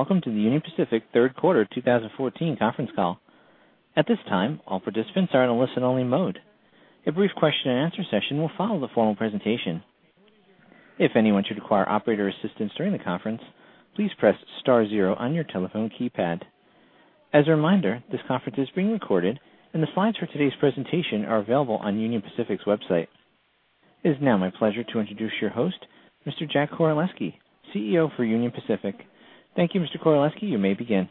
Welcome to the Union Pacific third quarter 2014 conference call. At this time, all participants are in a listen-only mode. A brief question-and-answer session will follow the formal presentation. If anyone should require operator assistance during the conference, please press star zero on your telephone keypad. As a reminder, this conference is being recorded and the slides for today's presentation are available on Union Pacific's website. It is now my pleasure to introduce your host, Mr. Jack Koraleski, CEO for Union Pacific. Thank you, Mr. Koraleski. You may begin.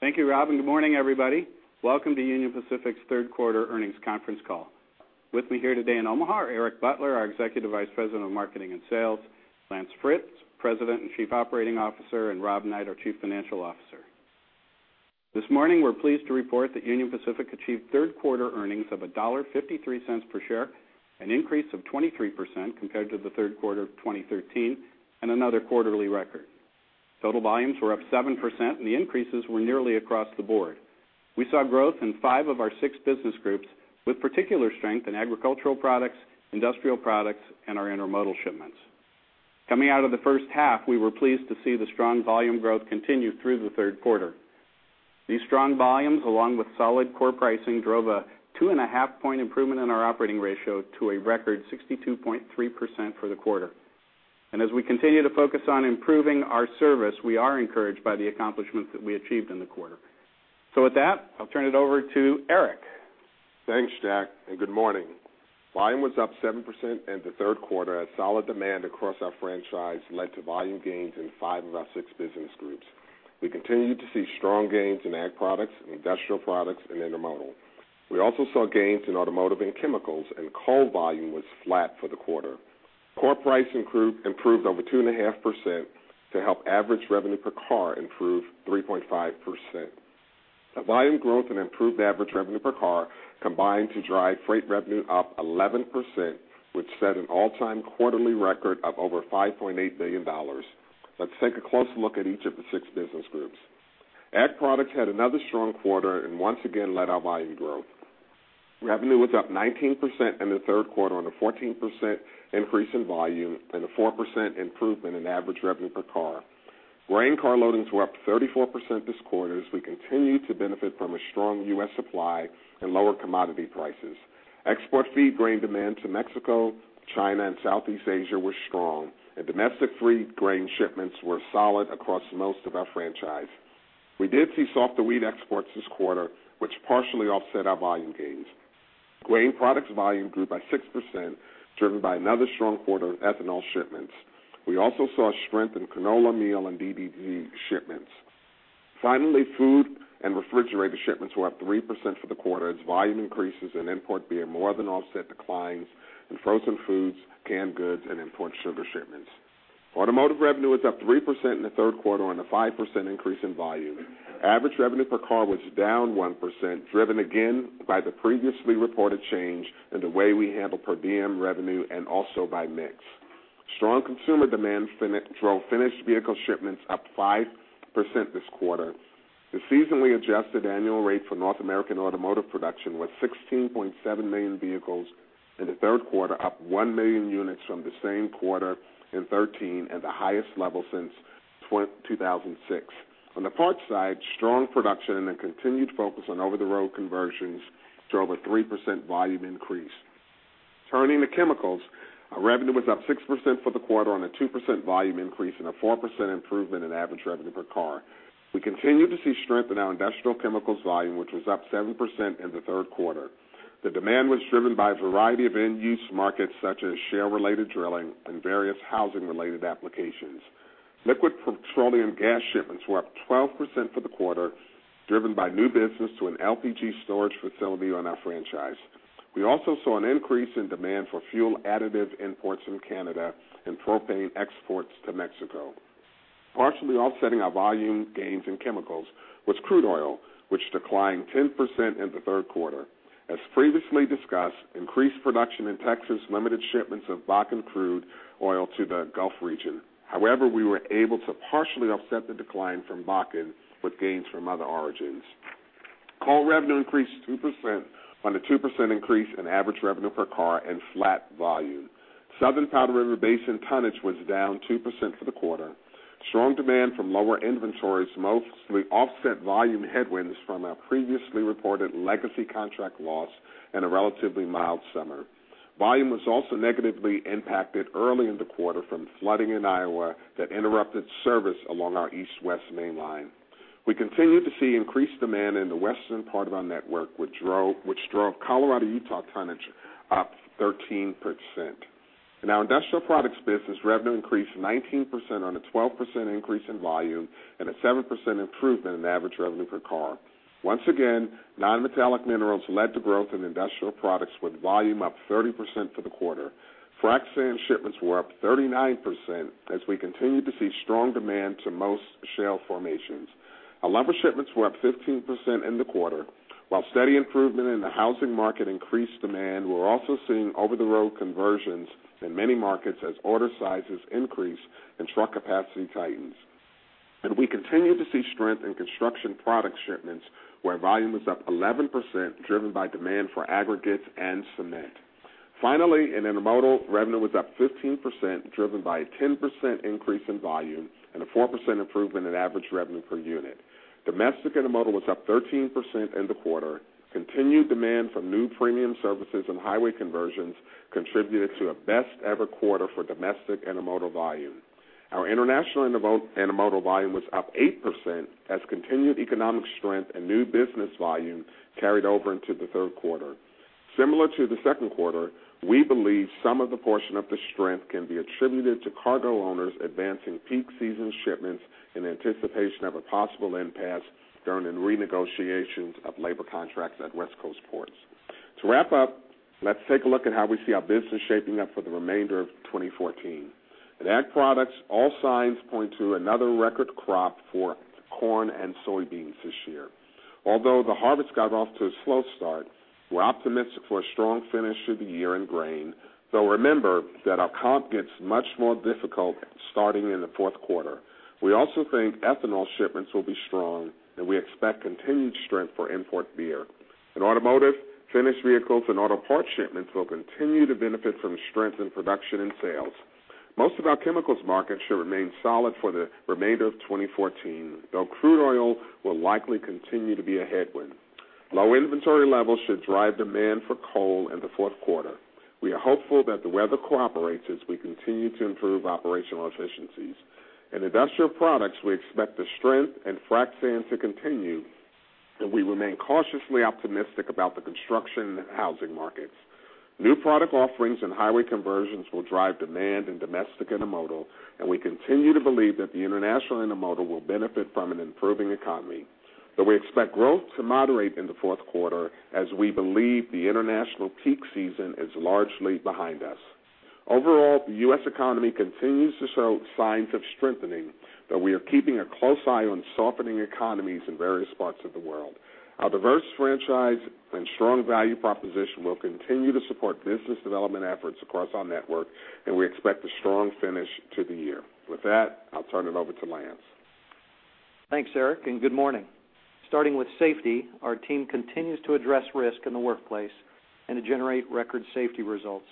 Thank you, Rob, and good morning, everybody. Welcome to Union Pacific's third quarter earnings conference call. With me here today in Omaha are Eric Butler, our Executive Vice President of Marketing and Sales, Lance Fritz, President and Chief Operating Officer, and Rob Knight, our Chief Financial Officer. This morning, we're pleased to report that Union Pacific achieved third-quarter earnings of $1.53 per share, an increase of 23% compared to the third quarter of 2013, and another quarterly record. Total volumes were up 7%, and the increases were nearly across the board. We saw growth in five of our six business groups, with particular strength in agricultural products, industrial products, and our intermodal shipments. Coming out of the first half, we were pleased to see the strong volume growth continue through the third quarter. These strong volumes, along with solid core pricing, drove a 2.5-point improvement in our operating ratio to a record 62.3% for the quarter. As we continue to focus on improving our service, we are encouraged by the accomplishments that we achieved in the quarter. With that, I'll turn it over to Eric. Thanks, Jack, and good morning. Volume was up 7% in the third quarter as solid demand across our franchise led to volume gains in five of our six business groups. We continued to see strong gains in ag products and industrial products and intermodal. We also saw gains in automotive and chemicals, and coal volume was flat for the quarter. Core price improved over 2.5% to help average revenue per car improve 3.5%. The volume growth and improved average revenue per car combined to drive freight revenue up 11%, which set an all-time quarterly record of over $5.8 billion. Let's take a closer look at each of the six business groups. Ag products had another strong quarter and once again led our volume growth. Revenue was up 19% in the third quarter on a 14% increase in volume and a 4% improvement in average revenue per car. Grain car loadings were up 34% this quarter as we continued to benefit from a strong U.S. supply and lower commodity prices. Export feed grain demand to Mexico, China, and Southeast Asia were strong, and domestic feed grain shipments were solid across most of our franchise. We did see softer wheat exports this quarter, which partially offset our volume gains. Grain products volume grew by 6%, driven by another strong quarter of ethanol shipments. We also saw strength in canola, meal, and DDG shipments. Finally, food and refrigerated shipments were up 3% for the quarter as volume increases in import beer more than offset declines in frozen foods, canned goods and import sugar shipments. Automotive revenue was up 3% in the third quarter on a 5% increase in volume. Average revenue per car was down 1%, driven again by the previously reported change in the way we handle per diem revenue and also by mix. Strong consumer demand drove finished vehicle shipments up 5% this quarter. The seasonally adjusted annual rate for North American automotive production was 16.7 million vehicles in the third quarter, up 1 million units from the same quarter in 2013, and the highest level since 2006. On the parts side, strong production and a continued focus on over-the-road conversions drove a 3% volume increase. Turning to chemicals, our revenue was up 6% for the quarter on a 2% volume increase and a 4% improvement in average revenue per car. We continued to see strength in our industrial chemicals volume, which was up 7% in the third quarter. The demand was driven by a variety of end-use markets, such as shale-related drilling and various housing-related applications. Liquid petroleum gas shipments were up 12% for the quarter, driven by new business to an LPG storage facility on our franchise. We also saw an increase in demand for fuel additive imports from Canada and propane exports to Mexico. Partially offsetting our volume gains in chemicals was crude oil, which declined 10% in the third quarter. As previously discussed, increased production in Texas limited shipments of Bakken crude oil to the Gulf region. However, we were able to partially offset the decline from Bakken with gains from other origins. Coal revenue increased 2% on a 2% increase in average revenue per car and flat volume. Southern Powder River Basin tonnage was down 2% for the quarter. Strong demand from lower inventories mostly offset volume headwinds from our previously reported legacy contract loss and a relatively mild summer. Volume was also negatively impacted early in the quarter from flooding in Iowa that interrupted service along our East-West mainline. We continued to see increased demand in the western part of our network, which drove Colorado-Utah tonnage up 13%. In our industrial products business, revenue increased 19% on a 12% increase in volume and a 7% improvement in average revenue per car. Once again, non-metallic minerals led to growth in industrial products, with volume up 30% for the quarter. Frac sand shipments were up 39% as we continued to see strong demand to most shale formations. Our lumber shipments were up 15% in the quarter. While steady improvement in the housing market increased demand, we're also seeing over-the-road conversions in many markets as order sizes increase and truck capacity tightens. We continue to see strength in construction product shipments, where volume was up 11%, driven by demand for aggregates and cement... Finally, in intermodal, revenue was up 15%, driven by a 10% increase in volume and a 4% improvement in average revenue per unit. Domestic intermodal was up 13% in the quarter. Continued demand for new premium services and highway conversions contributed to a best-ever quarter for domestic intermodal volume. Our international intermodal volume was up 8%, as continued economic strength and new business volume carried over into the third quarter. Similar to the second quarter, we believe some of the portion of the strength can be attributed to cargo owners advancing peak season shipments in anticipation of a possible impasse during the renegotiations of labor contracts at West Coast ports. To wrap up, let's take a look at how we see our business shaping up for the remainder of 2014. In ag products, all signs point to another record crop for corn and soybeans this year. Although the harvest got off to a slow start, we're optimistic for a strong finish to the year in grain, though remember that our comp gets much more difficult starting in the fourth quarter. We also think ethanol shipments will be strong, and we expect continued strength for import beer. In automotive, finished vehicles and auto parts shipments will continue to benefit from strength in production and sales. Most of our chemicals markets should remain solid for the remainder of 2014, though crude oil will likely continue to be a headwind. Low inventory levels should drive demand for coal in the fourth quarter. We are hopeful that the weather cooperates as we continue to improve operational efficiencies. In industrial products, we expect the strength in frac sand to continue, and we remain cautiously optimistic about the construction and housing markets. New product offerings and highway conversions will drive demand in domestic intermodal, and we continue to believe that the international intermodal will benefit from an improving economy, though we expect growth to moderate in the fourth quarter as we believe the international peak season is largely behind us. Overall, the U.S. economy continues to show signs of strengthening, but we are keeping a close eye on softening economies in various parts of the world. Our diverse franchise and strong value proposition will continue to support business development efforts across our network, and we expect a strong finish to the year. With that, I'll turn it over to Lance. Thanks, Eric, and good morning. Starting with safety, our team continues to address risk in the workplace and to generate record safety results.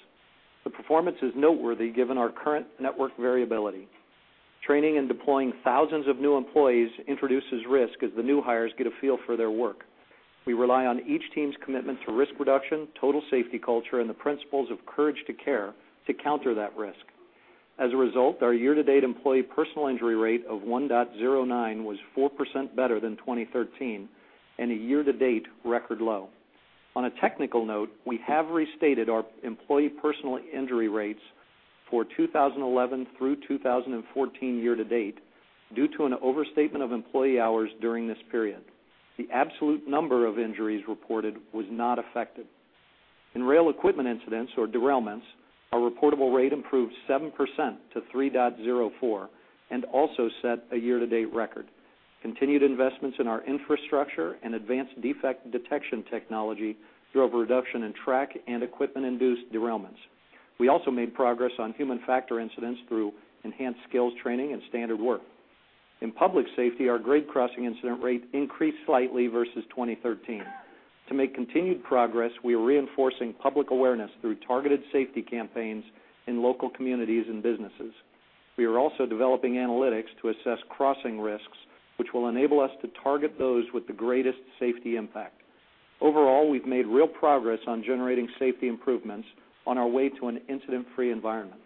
The performance is noteworthy given our current network variability. Training and deploying thousands of new employees introduces risk as the new hires get a feel for their work. We rely on each team's commitment to risk reduction, Total Safety Culture, and the principles of Courage to Care to counter that risk. As a result, our year-to-date employee personal injury rate of 1.09 was 4% better than 2013 and a year-to-date record low. On a technical note, we have restated our employee personal injury rates for 2011 through 2014 year to date due to an overstatement of employee hours during this period. The absolute number of injuries reported was not affected. In rail equipment incidents or derailments, our reportable rate improved 7% to 3.04 and also set a year-to-date record. Continued investments in our infrastructure and advanced defect detection technology drove a reduction in track and equipment-induced derailments. We also made progress on human factor incidents through enhanced skills training and standard work. In public safety, our grade crossing incident rate increased slightly versus 2013. To make continued progress, we are reinforcing public awareness through targeted safety campaigns in local communities and businesses. We are also developing analytics to assess crossing risks, which will enable us to target those with the greatest safety impact. Overall, we've made real progress on generating safety improvements on our way to an incident-free environment.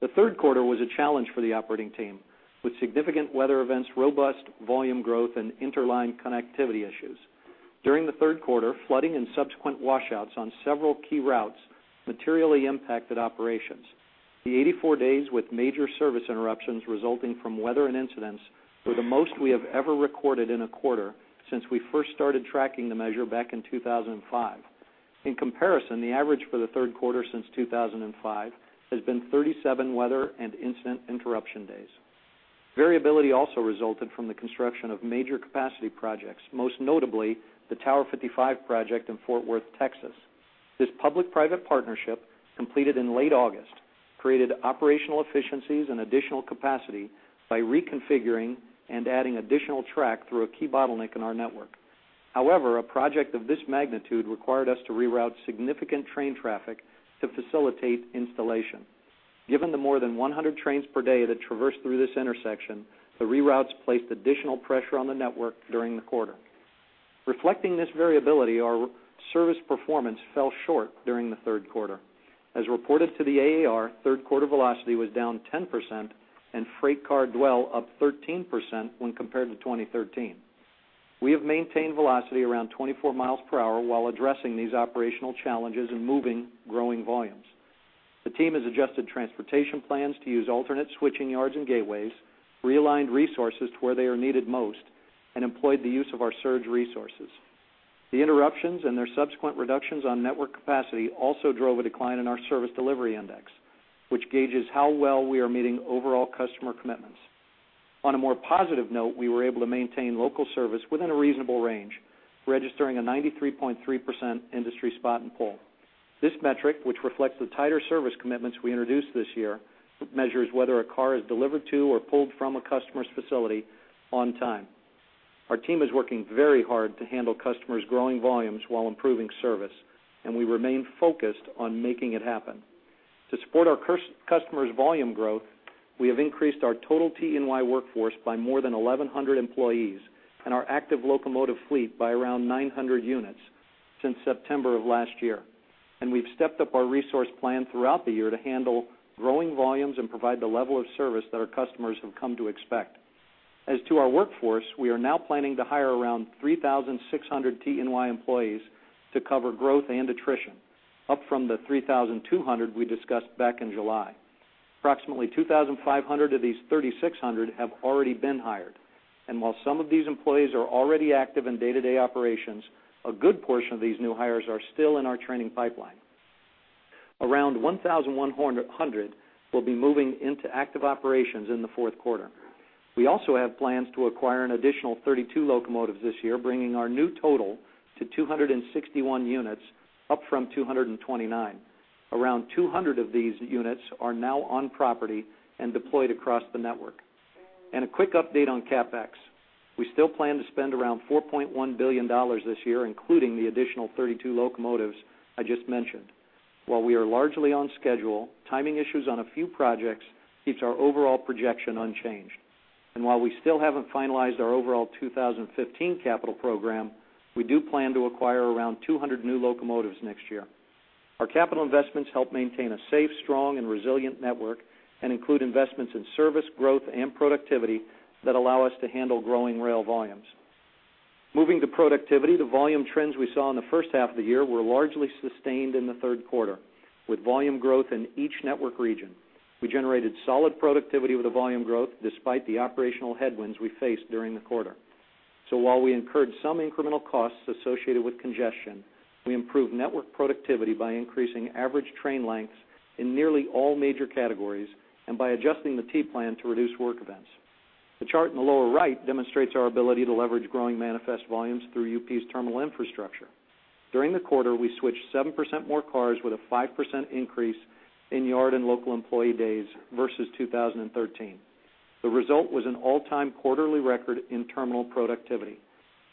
The third quarter was a challenge for the operating team, with significant weather events, robust volume growth, and interline connectivity issues. During the third quarter, flooding and subsequent washouts on several key routes materially impacted operations. The 84 days with major service interruptions resulting from weather and incidents were the most we have ever recorded in a quarter since we first started tracking the measure back in 2005. In comparison, the average for the third quarter since 2005 has been 37 weather and incident interruption days. Variability also resulted from the construction of major capacity projects, most notably the Tower 55 project in Fort Worth, Texas. This public-private partnership, completed in late August, created operational efficiencies and additional capacity by reconfiguring and adding additional track through a key bottleneck in our network. However, a project of this magnitude required us to reroute significant train traffic to facilitate installation. Given the more than 100 trains per day that traverse through this intersection, the reroutes placed additional pressure on the network during the quarter. Reflecting this variability, our service performance fell short during the third quarter. As reported to the AAR, third quarter velocity was down 10% and freight car dwell up 13% when compared to 2013. We have maintained velocity around 24 miles per hour while addressing these operational challenges and moving growing volumes. The team has adjusted transportation plans to use alternate switching yards and gateways, realigned resources to where they are needed most, and employed the use of our surge resources. The interruptions and their subsequent reductions on network capacity also drove a decline in our Service Delivery Index, which gauges how well we are meeting overall customer commitments. On a more positive note, we were able to maintain local service within a reasonable range, registering a 93.3% Industry Spot and Pull. This metric, which reflects the tighter service commitments we introduced this year, measures whether a car is delivered to or pulled from a customer's facility on time. Our team is working very hard to handle customers' growing volumes while improving service, and we remain focused on making it happen. To support our customers' volume growth, we have increased our total TE&Y workforce by more than 1,100 employees and our active locomotive fleet by around 900 units since September of last year. We've stepped up our resource plan throughout the year to handle growing volumes and provide the level of service that our customers have come to expect. As to our workforce, we are now planning to hire around 3,600 TE&Y employees to cover growth and attrition, up from the 3,200 we discussed back in July. Approximately 2,500 of these 3,600 have already been hired. And while some of these employees are already active in day-to-day operations, a good portion of these new hires are still in our training pipeline. Around 1,100 will be moving into active operations in the fourth quarter. We also have plans to acquire an additional 32 locomotives this year, bringing our new total to 261 units, up from 229. Around 200 of these units are now on property and deployed across the network. A quick update on CapEx. We still plan to spend around $4.1 billion this year, including the additional 32 locomotives I just mentioned. While we are largely on schedule, timing issues on a few projects keeps our overall projection unchanged. And while we still haven't finalized our overall 2015 capital program, we do plan to acquire around 200 new locomotives next year. Our capital investments help maintain a safe, strong and resilient network and include investments in service, growth, and productivity that allow us to handle growing rail volumes. Moving to productivity, the volume trends we saw in the first half of the year were largely sustained in the third quarter, with volume growth in each network region. We generated solid productivity with the volume growth, despite the operational headwinds we faced during the quarter. So while we incurred some incremental costs associated with congestion, we improved network productivity by increasing average train lengths in nearly all major categories and by adjusting the T-Plan to reduce work events. The chart in the lower right demonstrates our ability to leverage growing manifest volumes through UP's terminal infrastructure. During the quarter, we switched 7% more cars with a 5% increase in yard and local employee days versus 2013. The result was an all-time quarterly record in terminal productivity.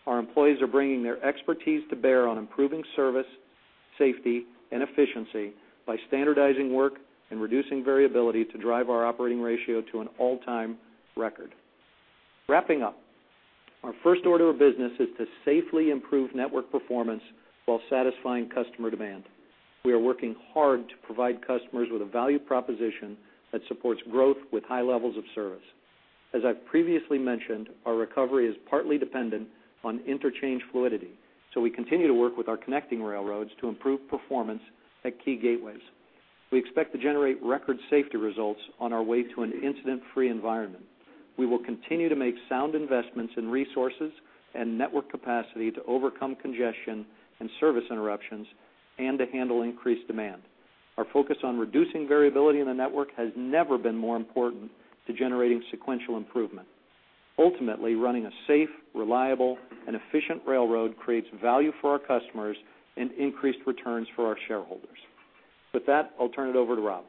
Our employees are bringing their expertise to bear on improving service, safety, and efficiency by standardizing work and reducing variability to drive our operating ratio to an all-time record. Wrapping up, our first order of business is to safely improve network performance while satisfying customer demand. We are working hard to provide customers with a value proposition that supports growth with high levels of service. As I've previously mentioned, our recovery is partly dependent on interchange fluidity, so we continue to work with our connecting railroads to improve performance at key gateways. We expect to generate record safety results on our way to an incident-free environment. We will continue to make sound investments in resources and network capacity to overcome congestion and service interruptions and to handle increased demand. Our focus on reducing variability in the network has never been more important to generating sequential improvement. Ultimately, running a safe, reliable, and efficient railroad creates value for our customers and increased returns for our shareholders. With that, I'll turn it over to Rob.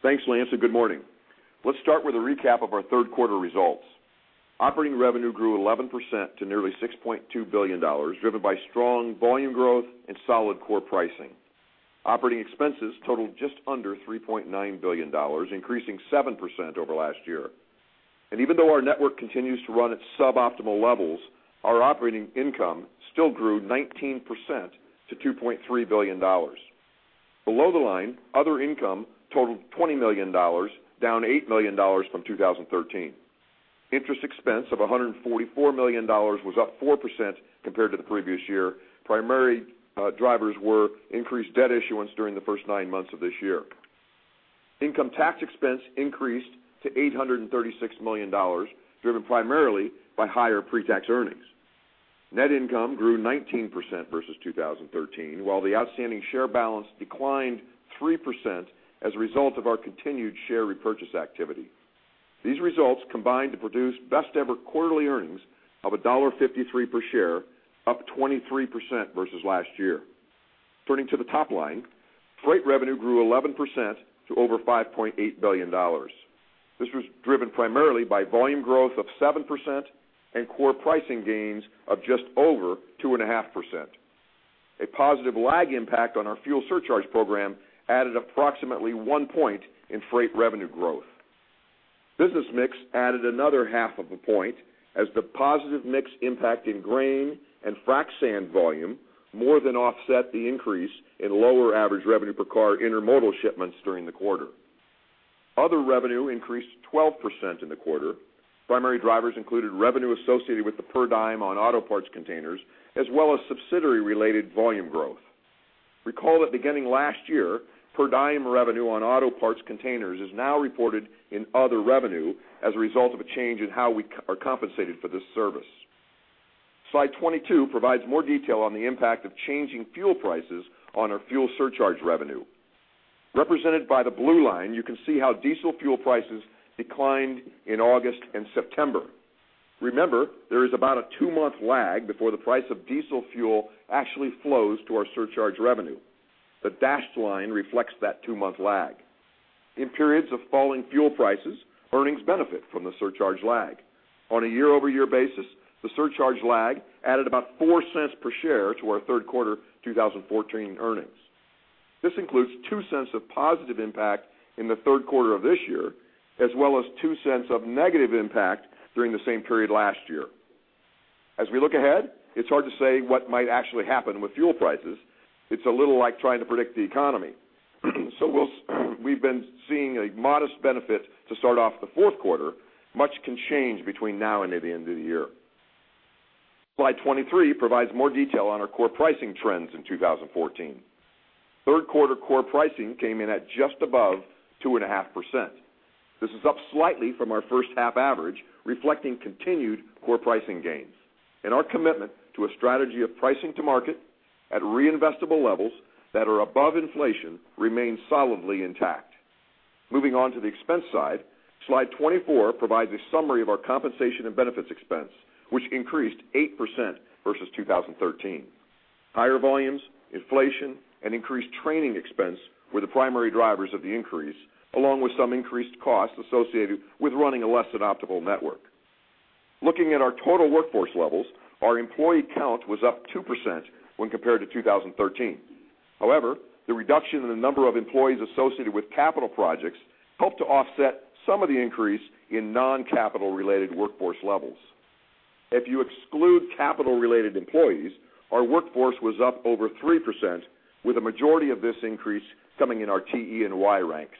Thanks, Lance, and good morning. Let's start with a recap of our third quarter results. Operating revenue grew 11% to nearly $6.2 billion, driven by strong volume growth and solid core pricing. Operating expenses totaled just under $3.9 billion, increasing 7% over last year. Even though our network continues to run at suboptimal levels, our operating income still grew 19% to $2.3 billion. Below the line, other income totaled $20 million, down $8 million from 2013. Interest expense of $144 million was up 4% compared to the previous year. Primary drivers were increased debt issuance during the first nine months of this year. Income tax expense increased to $836 million, driven primarily by higher pretax earnings. Net income grew 19% versus 2013, while the outstanding share balance declined 3% as a result of our continued share repurchase activity. These results combined to produce best-ever quarterly earnings of $1.53 per share, up 23% versus last year. Turning to the top line, freight revenue grew 11% to over $5.8 billion. This was driven primarily by volume growth of 7% and core pricing gains of just over 2.5%. A positive lag impact on our fuel surcharge program added approximately one point in freight revenue growth. Business mix added another half of a point, as the positive mix impact in grain and frac sand volume more than offset the increase in lower average revenue per car intermodal shipments during the quarter. Other revenue increased 12% in the quarter. Primary drivers included revenue associated with the per diem on auto parts containers, as well as subsidiary-related volume growth. Recall that beginning last year, per diem revenue on auto parts containers is now reported in other revenue as a result of a change in how we are compensated for this service. Slide 22 provides more detail on the impact of changing fuel prices on our fuel surcharge revenue. Represented by the blue line, you can see how diesel fuel prices declined in August and September. Remember, there is about a 2-month lag before the price of diesel fuel actually flows to our surcharge revenue. The dashed line reflects that 2-month lag... in periods of falling fuel prices, earnings benefit from the surcharge lag. On a year-over-year basis, the surcharge lag added about $0.04 per share to our third quarter 2014 earnings. This includes $0.02 of positive impact in the third quarter of this year, as well as $0.02 of negative impact during the same period last year. As we look ahead, it's hard to say what might actually happen with fuel prices. It's a little like trying to predict the economy. So we've been seeing a modest benefit to start off the fourth quarter. Much can change between now and near the end of the year. Slide 23 provides more detail on our core pricing trends in 2014. Third quarter core pricing came in at just above 2.5%. This is up slightly from our first half average, reflecting continued core pricing gains. Our commitment to a strategy of pricing to market at reinvestable levels that are above inflation remains solidly intact. Moving on to the expense side, slide 24 provides a summary of our compensation and benefits expense, which increased 8% versus 2013. Higher volumes, inflation, and increased training expense were the primary drivers of the increase, along with some increased costs associated with running a less than optimal network. Looking at our total workforce levels, our employee count was up 2% when compared to 2013. However, the reduction in the number of employees associated with capital projects helped to offset some of the increase in non-capital related workforce levels. If you exclude capital-related employees, our workforce was up over 3%, with a majority of this increase coming in our TE&Y ranks.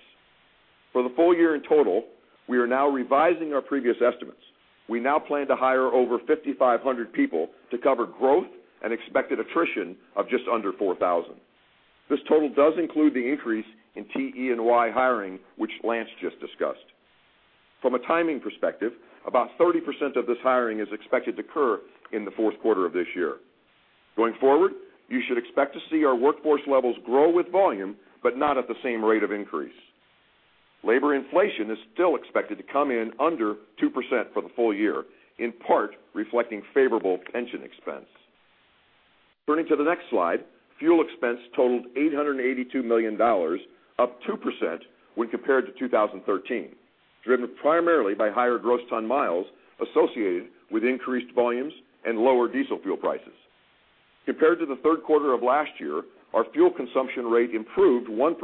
For the full year in total, we are now revising our previous estimates. We now plan to hire over 5,500 people to cover growth and expected attrition of just under 4,000. This total does include the increase in TE&Y hiring, which Lance just discussed. From a timing perspective, about 30% of this hiring is expected to occur in the fourth quarter of this year. Going forward, you should expect to see our workforce levels grow with volume, but not at the same rate of increase. Labor inflation is still expected to come in under 2% for the full year, in part reflecting favorable pension expense. Turning to the next slide, fuel expense totaled $882 million, up 2% when compared to 2013, driven primarily by higher gross ton miles associated with increased volumes and lower diesel fuel prices. Compared to the third quarter of last year, our fuel consumption rate improved 1%,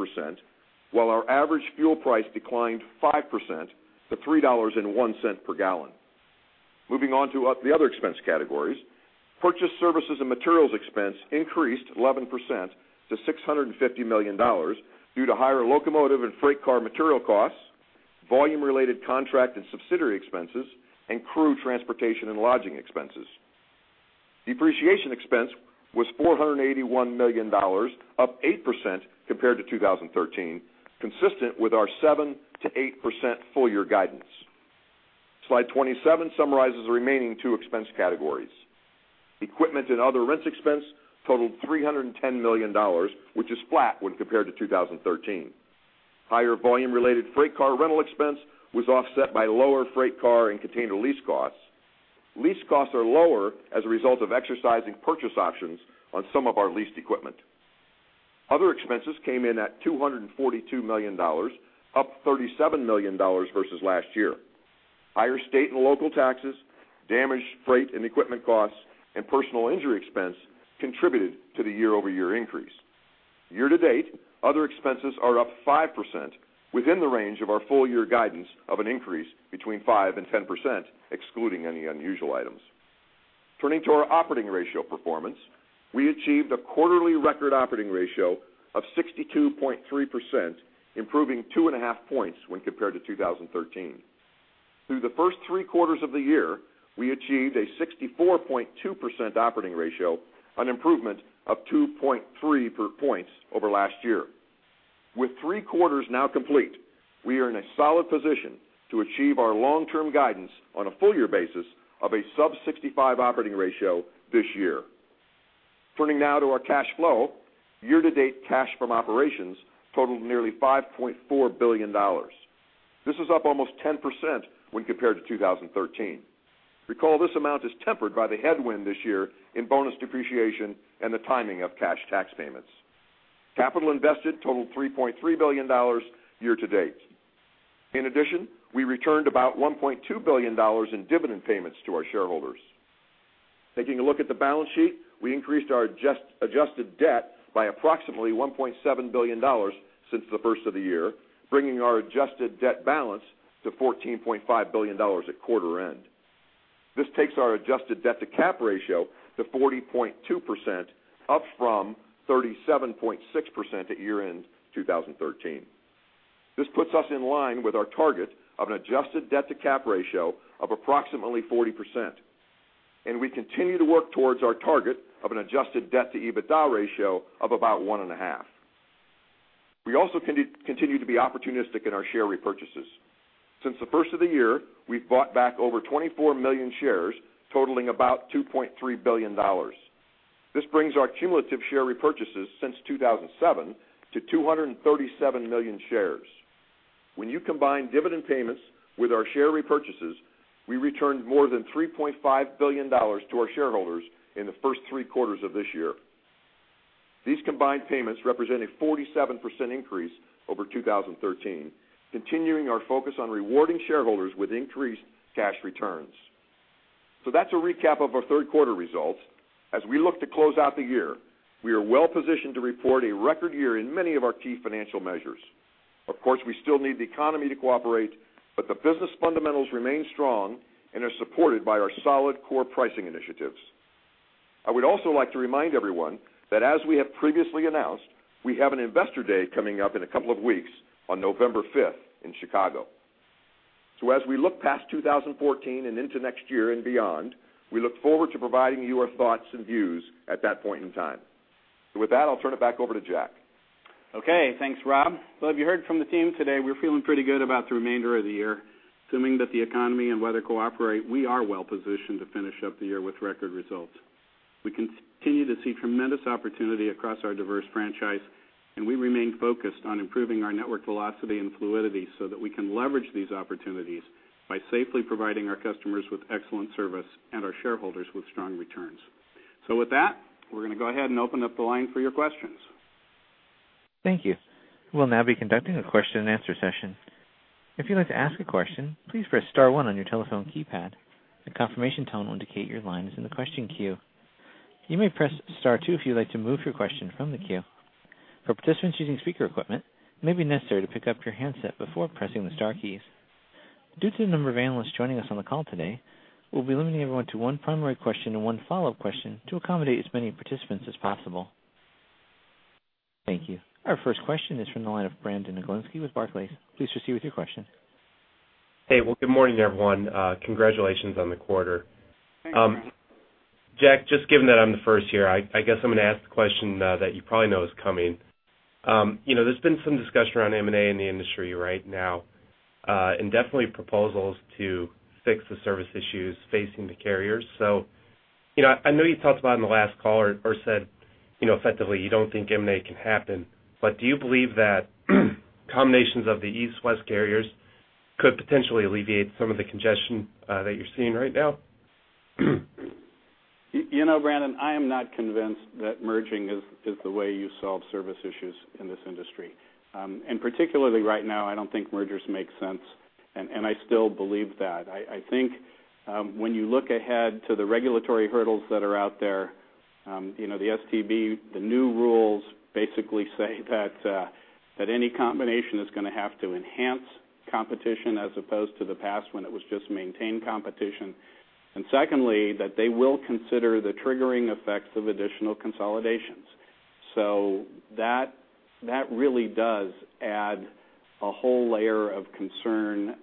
while our average fuel price declined 5% to $3.01 per gallon. Moving on to the other expense categories, purchase services and materials expense increased 11% to $650 million due to higher locomotive and freight car material costs, volume-related contract and subsidiary expenses, and crew transportation and lodging expenses. Depreciation expense was $481 million, up 8% compared to 2013, consistent with our 7%-8% full year guidance. Slide 27 summarizes the remaining two expense categories. Equipment and other rents expense totaled $310 million, which is flat when compared to 2013. Higher volume-related freight car rental expense was offset by lower freight car and container lease costs. Lease costs are lower as a result of exercising purchase options on some of our leased equipment. Other expenses came in at $242 million, up $37 million versus last year. Higher state and local taxes, damaged freight and equipment costs, and personal injury expense contributed to the year-over-year increase. Year to date, other expenses are up 5% within the range of our full year guidance of an increase between 5% and 10%, excluding any unusual items. Turning to our operating ratio performance, we achieved a quarterly record operating ratio of 62.3%, improving 2.5 points when compared to 2013. Through the first three quarters of the year, we achieved a 64.2% operating ratio, an improvement of 2.3 percentage points over last year. With 3 quarters now complete, we are in a solid position to achieve our long-term guidance on a full-year basis of a sub-65 operating ratio this year. Turning now to our cash flow. Year-to-date cash from operations totaled nearly $5.4 billion. This is up almost 10% when compared to 2013. Recall, this amount is tempered by the headwind this year in bonus depreciation and the timing of cash tax payments. Capital invested totaled $3.3 billion year to date. In addition, we returned about $1.2 billion in dividend payments to our shareholders. Taking a look at the balance sheet, we increased our adjusted debt by approximately $1.7 billion since the first of the year, bringing our adjusted debt balance to $14.5 billion at quarter end. This takes our adjusted debt-to-capital ratio to 40.2%, up from 37.6% at year-end 2013. This puts us in line with our target of an adjusted debt-to-capital ratio of approximately 40%, and we continue to work towards our target of an adjusted debt-to-EBITDA ratio of about 1.5. We also continue to be opportunistic in our share repurchases. Since the first of the year, we've bought back over 24 million shares, totaling about $2.3 billion. This brings our cumulative share repurchases since 2007 to 237 million shares. When you combine dividend payments with our share repurchases, we returned more than $3.5 billion to our shareholders in the first three quarters of this year. These combined payments represent a 47% increase over 2013, continuing our focus on rewarding shareholders with increased cash returns. So that's a recap of our third quarter results. As we look to close out the year, we are well positioned to report a record year in many of our key financial measures. Of course, we still need the economy to cooperate, but the business fundamentals remain strong and are supported by our solid core pricing initiatives. I would also like to remind everyone that as we have previously announced, we have an Investor Day coming up in a couple of weeks on November fifth in Chicago. So as we look past 2014 and into next year and beyond, we look forward to providing you our thoughts and views at that point in time. With that, I'll turn it back over to Jack. Okay, thanks, Rob. Well, if you heard from the team today, we're feeling pretty good about the remainder of the year. Assuming that the economy and weather cooperate, we are well positioned to finish up the year with record results. We continue to see tremendous opportunity across our diverse franchise, and we remain focused on improving our network velocity and fluidity so that we can leverage these opportunities by safely providing our customers with excellent service and our shareholders with strong returns. So with that, we're going to go ahead and open up the line for your questions. Thank you. We'll now be conducting a question-and-answer session. If you'd like to ask a question, please press star one on your telephone keypad. A confirmation tone will indicate your line is in the question queue. You may press star two if you'd like to move your question from the queue. For participants using speaker equipment, it may be necessary to pick up your handset before pressing the star keys. Due to the number of analysts joining us on the call today, we'll be limiting everyone to one primary question and one follow-up question to accommodate as many participants as possible. Thank you. Our first question is from the line of Brandon Oglenski with Barclays. Please proceed with your question. Hey, well, good morning, everyone. Congratulations on the quarter. Thanks, Brandon. Jack, just given that I'm the first here, I guess I'm going to ask the question that you probably know is coming. You know, there's been some discussion around M&A in the industry right now, and definitely proposals to fix the service issues facing the carriers. So, you know, I know you talked about it on the last call or said, you know, effectively, you don't think M&A can happen, but do you believe that combinations of the East-West carriers could potentially alleviate some of the congestion that you're seeing right now? You know, Brandon, I am not convinced that merging is the way you solve service issues in this industry. And particularly right now, I don't think mergers make sense, and I still believe that. I think, when you look ahead to the regulatory hurdles that are out there, you know, the STB, the new rules basically say that that any combination is going to have to enhance competition as opposed to the past, when it was just maintain competition. And secondly, that they will consider the triggering effects of additional consolidations. So that really does add a whole layer of concern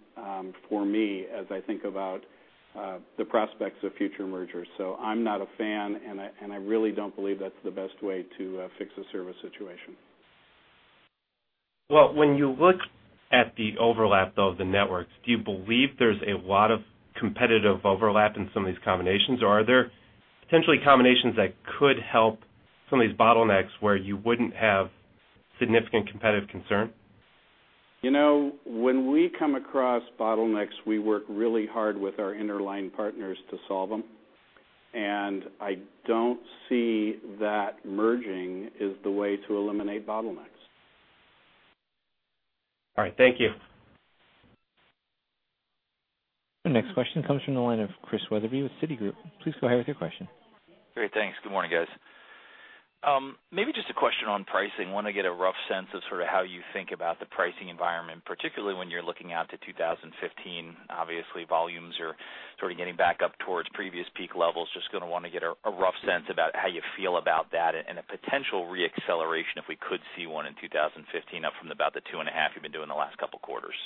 for me, as I think about the prospects of future mergers. So I'm not a fan, and I really don't believe that's the best way to fix the service situation. Well, when you look at the overlap, though, of the networks, do you believe there's a lot of competitive overlap in some of these combinations, or are there potentially combinations that could help some of these bottlenecks where you wouldn't have significant competitive concern? You know, when we come across bottlenecks, we work really hard with our interline partners to solve them, and I don't see that merging is the way to eliminate bottlenecks. All right. Thank you. The next question comes from the line of Chris Wetherbee with Citigroup. Please go ahead with your question. Great. Thanks. Good morning, guys. Maybe just a question on pricing. Want to get a rough sense of sort of how you think about the pricing environment, particularly when you're looking out to 2015. Obviously, volumes are sort of getting back up towards previous peak levels. Just going to want to get a rough sense about how you feel about that and a potential re-acceleration, if we could see one in 2015, up from about the 2.5 you've been doing the last couple quarters.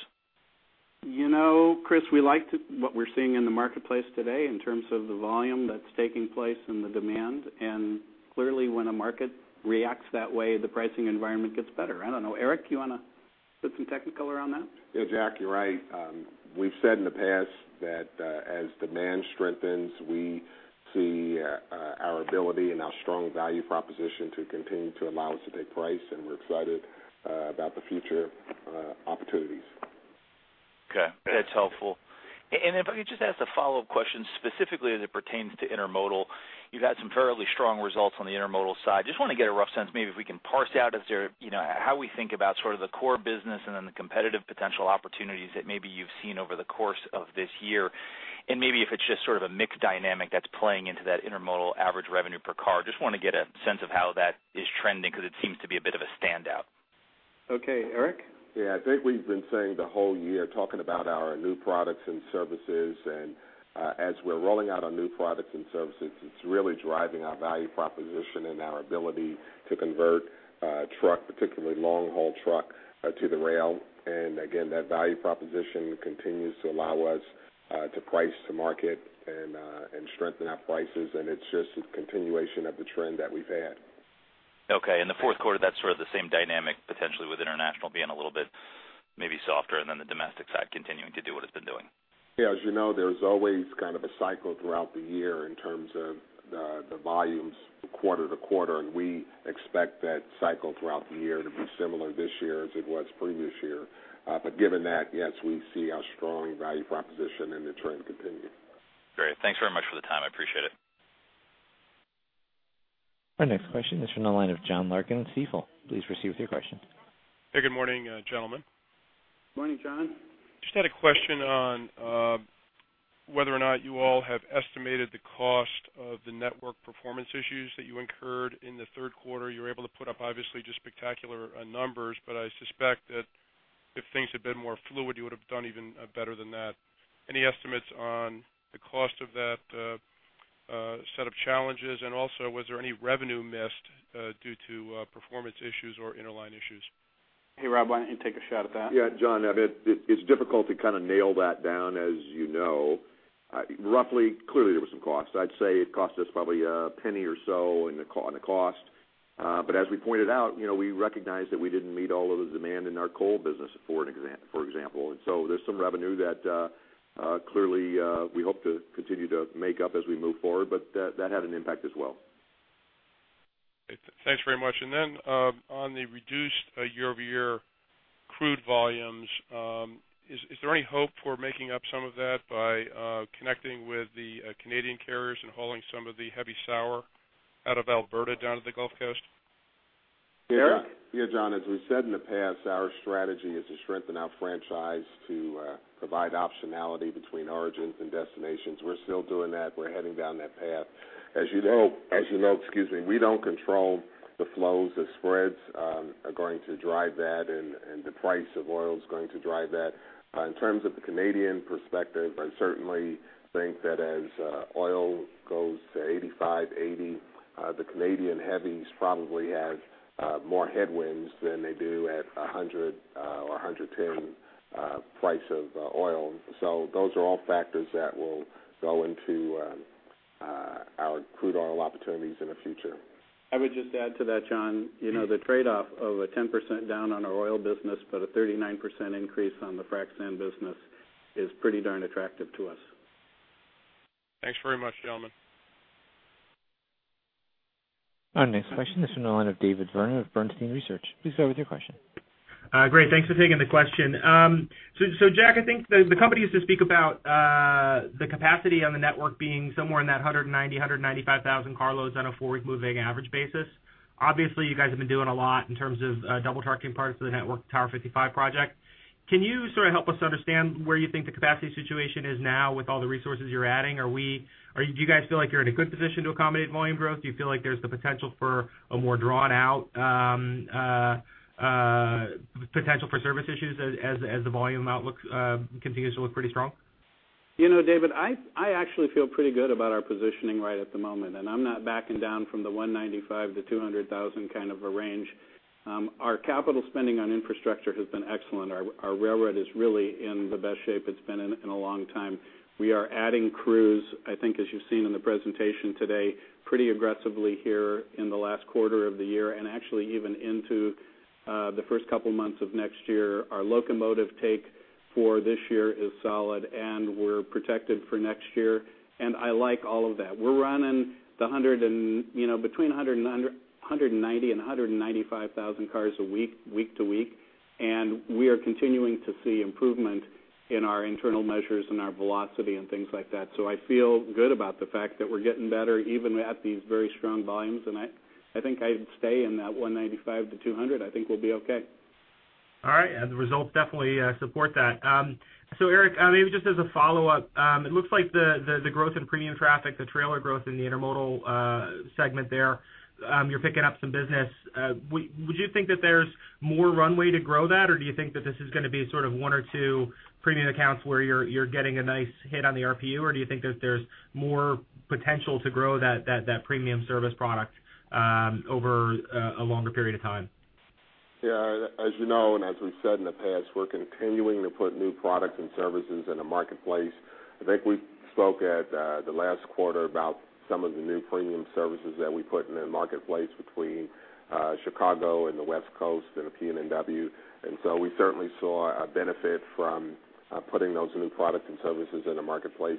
You know, Chris, what we're seeing in the marketplace today in terms of the volume that's taking place and the demand, and clearly, when a market reacts that way, the pricing environment gets better. I don't know. Eric, you want to put some technical around that? Yeah, Jack, you're right. We've said in the past that, as demand strengthens, we see, our ability and our strong value proposition to continue to allow us to take price, and we're excited, about the future, opportunities. Okay, that's helpful. And if I could just ask a follow-up question, specifically as it pertains to intermodal. You've had some fairly strong results on the intermodal side. Just want to get a rough sense, maybe if we can parse out, is there, you know, how we think about sort of the core business and then the competitive potential opportunities that maybe you've seen over the course of this year, and maybe if it's just sort of a mixed dynamic that's playing into that intermodal average revenue per car. Just want to get a sense of how that is trending, because it seems to be a bit of a standout. Okay. Eric? Yeah, I think we've been saying the whole year, talking about our new products and services, and as we're rolling out our new products and services, it's really driving our value proposition and our ability to convert truck, particularly long-haul truck, to the rail. And again, that value proposition continues to allow us to price to market and strengthen our prices, and it's just a continuation of the trend that we've had. Okay. In the fourth quarter, that's sort of the same dynamic, potentially with international being a little bit maybe softer, and then the domestic side continuing to do what it's been doing? Yeah, as you know, there's always kind of a cycle throughout the year in terms of the volumes quarter to quarter, and we expect that cycle throughout the year to be similar this year as it was previous year. But given that, yes, we see our strong value proposition and the trend continue. Great. Thanks very much for the time. I appreciate it. Our next question is from the line of John Larkin, Stifel. Please proceed with your question. Hey, good morning, gentlemen. Morning, John. Just had a question on whether or not you all have estimated the cost of the network performance issues that you incurred in the third quarter. You were able to put up, obviously, just spectacular numbers, but I suspect that if things had been more fluid, you would have done even better than that. Any estimates on the cost of that set of challenges? And also, was there any revenue missed due to performance issues or interline issues? Hey, Rob, why don't you take a shot at that? Yeah, John, I mean, it's difficult to kind of nail that down, as you know. Roughly, clearly, there were some costs. I'd say it cost us probably $0.01 or so in the coal cost. But as we pointed out, you know, we recognize that we didn't meet all of the demand in our coal business, for example. And so there's some revenue that clearly we hope to continue to make up as we move forward, but that had an impact as well. Thanks very much. On the reduced year-over-year crude volumes, is there any hope for making up some of that by connecting with the Canadian carriers and hauling some of the heavy sour out of Alberta, down to the Gulf Coast? Eric? Yeah, John, as we've said in the past, our strategy is to strengthen our franchise to provide optionality between origins and destinations. We're still doing that. We're heading down that path. As you know, excuse me, we don't control the flows. The spreads are going to drive that, and the price of oil is going to drive that. In terms of the Canadian perspective, I certainly think that as oil goes to $85, $80, the Canadian heavies probably have more headwinds than they do at $100 or $110 price of oil. So those are all factors that will go into our crude oil opportunities in the future. I would just add to that, John, you know, the trade-off of a 10% down on our oil business, but a 39% increase on the Frac sand business is pretty darn attractive to us. Thanks very much, gentlemen. Our next question is from the line of David Vernon of Bernstein Research. Please go with your question. Great, thanks for taking the question. So, Jack, I think the company used to speak about the capacity on the network being somewhere in that 195,000 carloads on a 4-week moving average basis. Obviously, you guys have been doing a lot in terms of double tracking parts of the network, Tower 55 project. Can you sort of help us understand where you think the capacity situation is now with all the resources you're adding? Do you guys feel like you're in a good position to accommodate volume growth? Do you feel like there's the potential for a more drawn-out potential for service issues as the volume outlook continues to look pretty strong? You know, David, I actually feel pretty good about our positioning right at the moment, and I'm not backing down from the 195,000-200,000 kind of a range. Our capital spending on infrastructure has been excellent. Our railroad is really in the best shape it's been in, in a long time. We are adding crews, I think, as you've seen in the presentation today, pretty aggressively here in the last quarter of the year and actually even into the first couple of months of next year. Our locomotive take for this year is solid, and we're protected for next year, and I like all of that. We're running, you know, between 190 and 195 thousand cars a week, week to week, and we are continuing to see improvement in our internal measures and our velocity and things like that. So I feel good about the fact that we're getting better even at these very strong volumes, and I think I'd stay in that 195 to 200. I think we'll be okay. All right, and the results definitely support that. So Eric, maybe just as a follow-up, it looks like the growth in premium traffic, the trailer growth in the intermodal segment there, you're picking up some business. Would you think that there's more runway to grow that, or do you think that this is gonna be sort of one or two premium accounts where you're getting a nice hit on the RPU? Or do you think that there's more potential to grow that premium service product over a longer period of time? Yeah, as you know, and as we've said in the past, we're continuing to put new products and services in the marketplace. I think we spoke at the last quarter about some of the new premium services that we put in the marketplace between Chicago and the West Coast and the PNW. And so we certainly saw a benefit from putting those new products and services in the marketplace.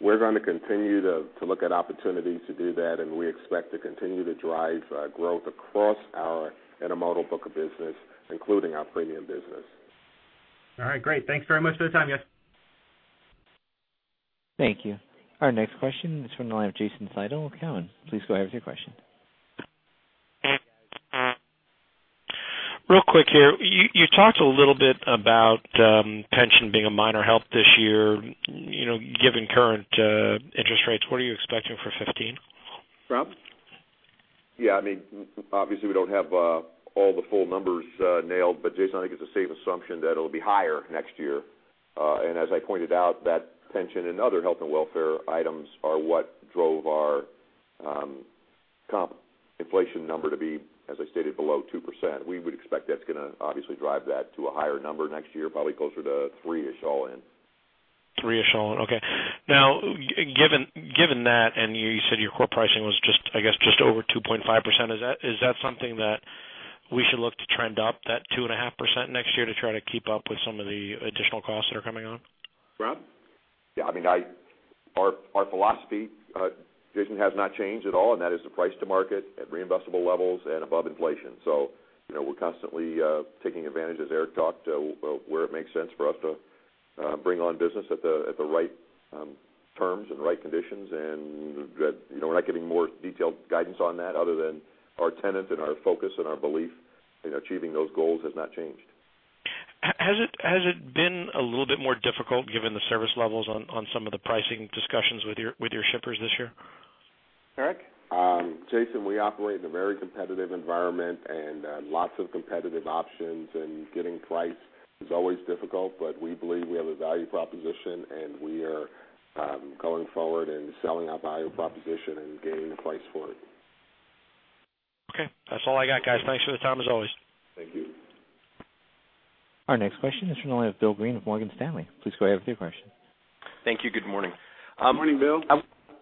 We're going to continue to, to look at opportunities to do that, and we expect to continue to drive growth across our intermodal book of business, including our premium business. All right, great. Thanks very much for the time, guys. Thank you. Our next question is from the line of Jason Seidel, Cowen. Please go ahead with your question. Real quick here. You talked a little bit about pension being a minor help this year. You know, given current interest rates, what are you expecting for 2015? Rob? Yeah, I mean, obviously, we don't have all the full numbers nailed, but Jason, I think it's a safe assumption that it'll be higher next year. And as I pointed out, that pension and other health and welfare items are what drove our comp inflation number to be, as I stated, below 2%. We would expect that's gonna obviously drive that to a higher number next year, probably closer to three-ish all-in. Three-ish all in. Okay. Now, given, given that, and you said your core pricing was just, I guess, just over 2.5%, is that, is that something that we should look to trend up, that 2.5% next year to try to keep up with some of the additional costs that are coming on? Rob? Yeah, I mean, our philosophy, Jason has not changed at all, and that is the price to market at reinvestable levels and above inflation. So, you know, we're constantly taking advantage, as Eric talked, where it makes sense for us to bring on business at the right terms and the right conditions. And, you know, we're not giving more detailed guidance on that other than our tenet and our focus and our belief in achieving those goals has not changed. Has it been a little bit more difficult given the service levels on some of the pricing discussions with your shippers this year? Eric? Jason, we operate in a very competitive environment and lots of competitive options, and getting price is always difficult, but we believe we have a value proposition, and we are going forward and selling our value proposition and gaining price for it. Okay. That's all I got, guys. Thanks for the time, as always. Thank you. Our next question is from the line of Bill Greene of Morgan Stanley. Please go ahead with your question. Thank you. Good morning. Good morning, Bill.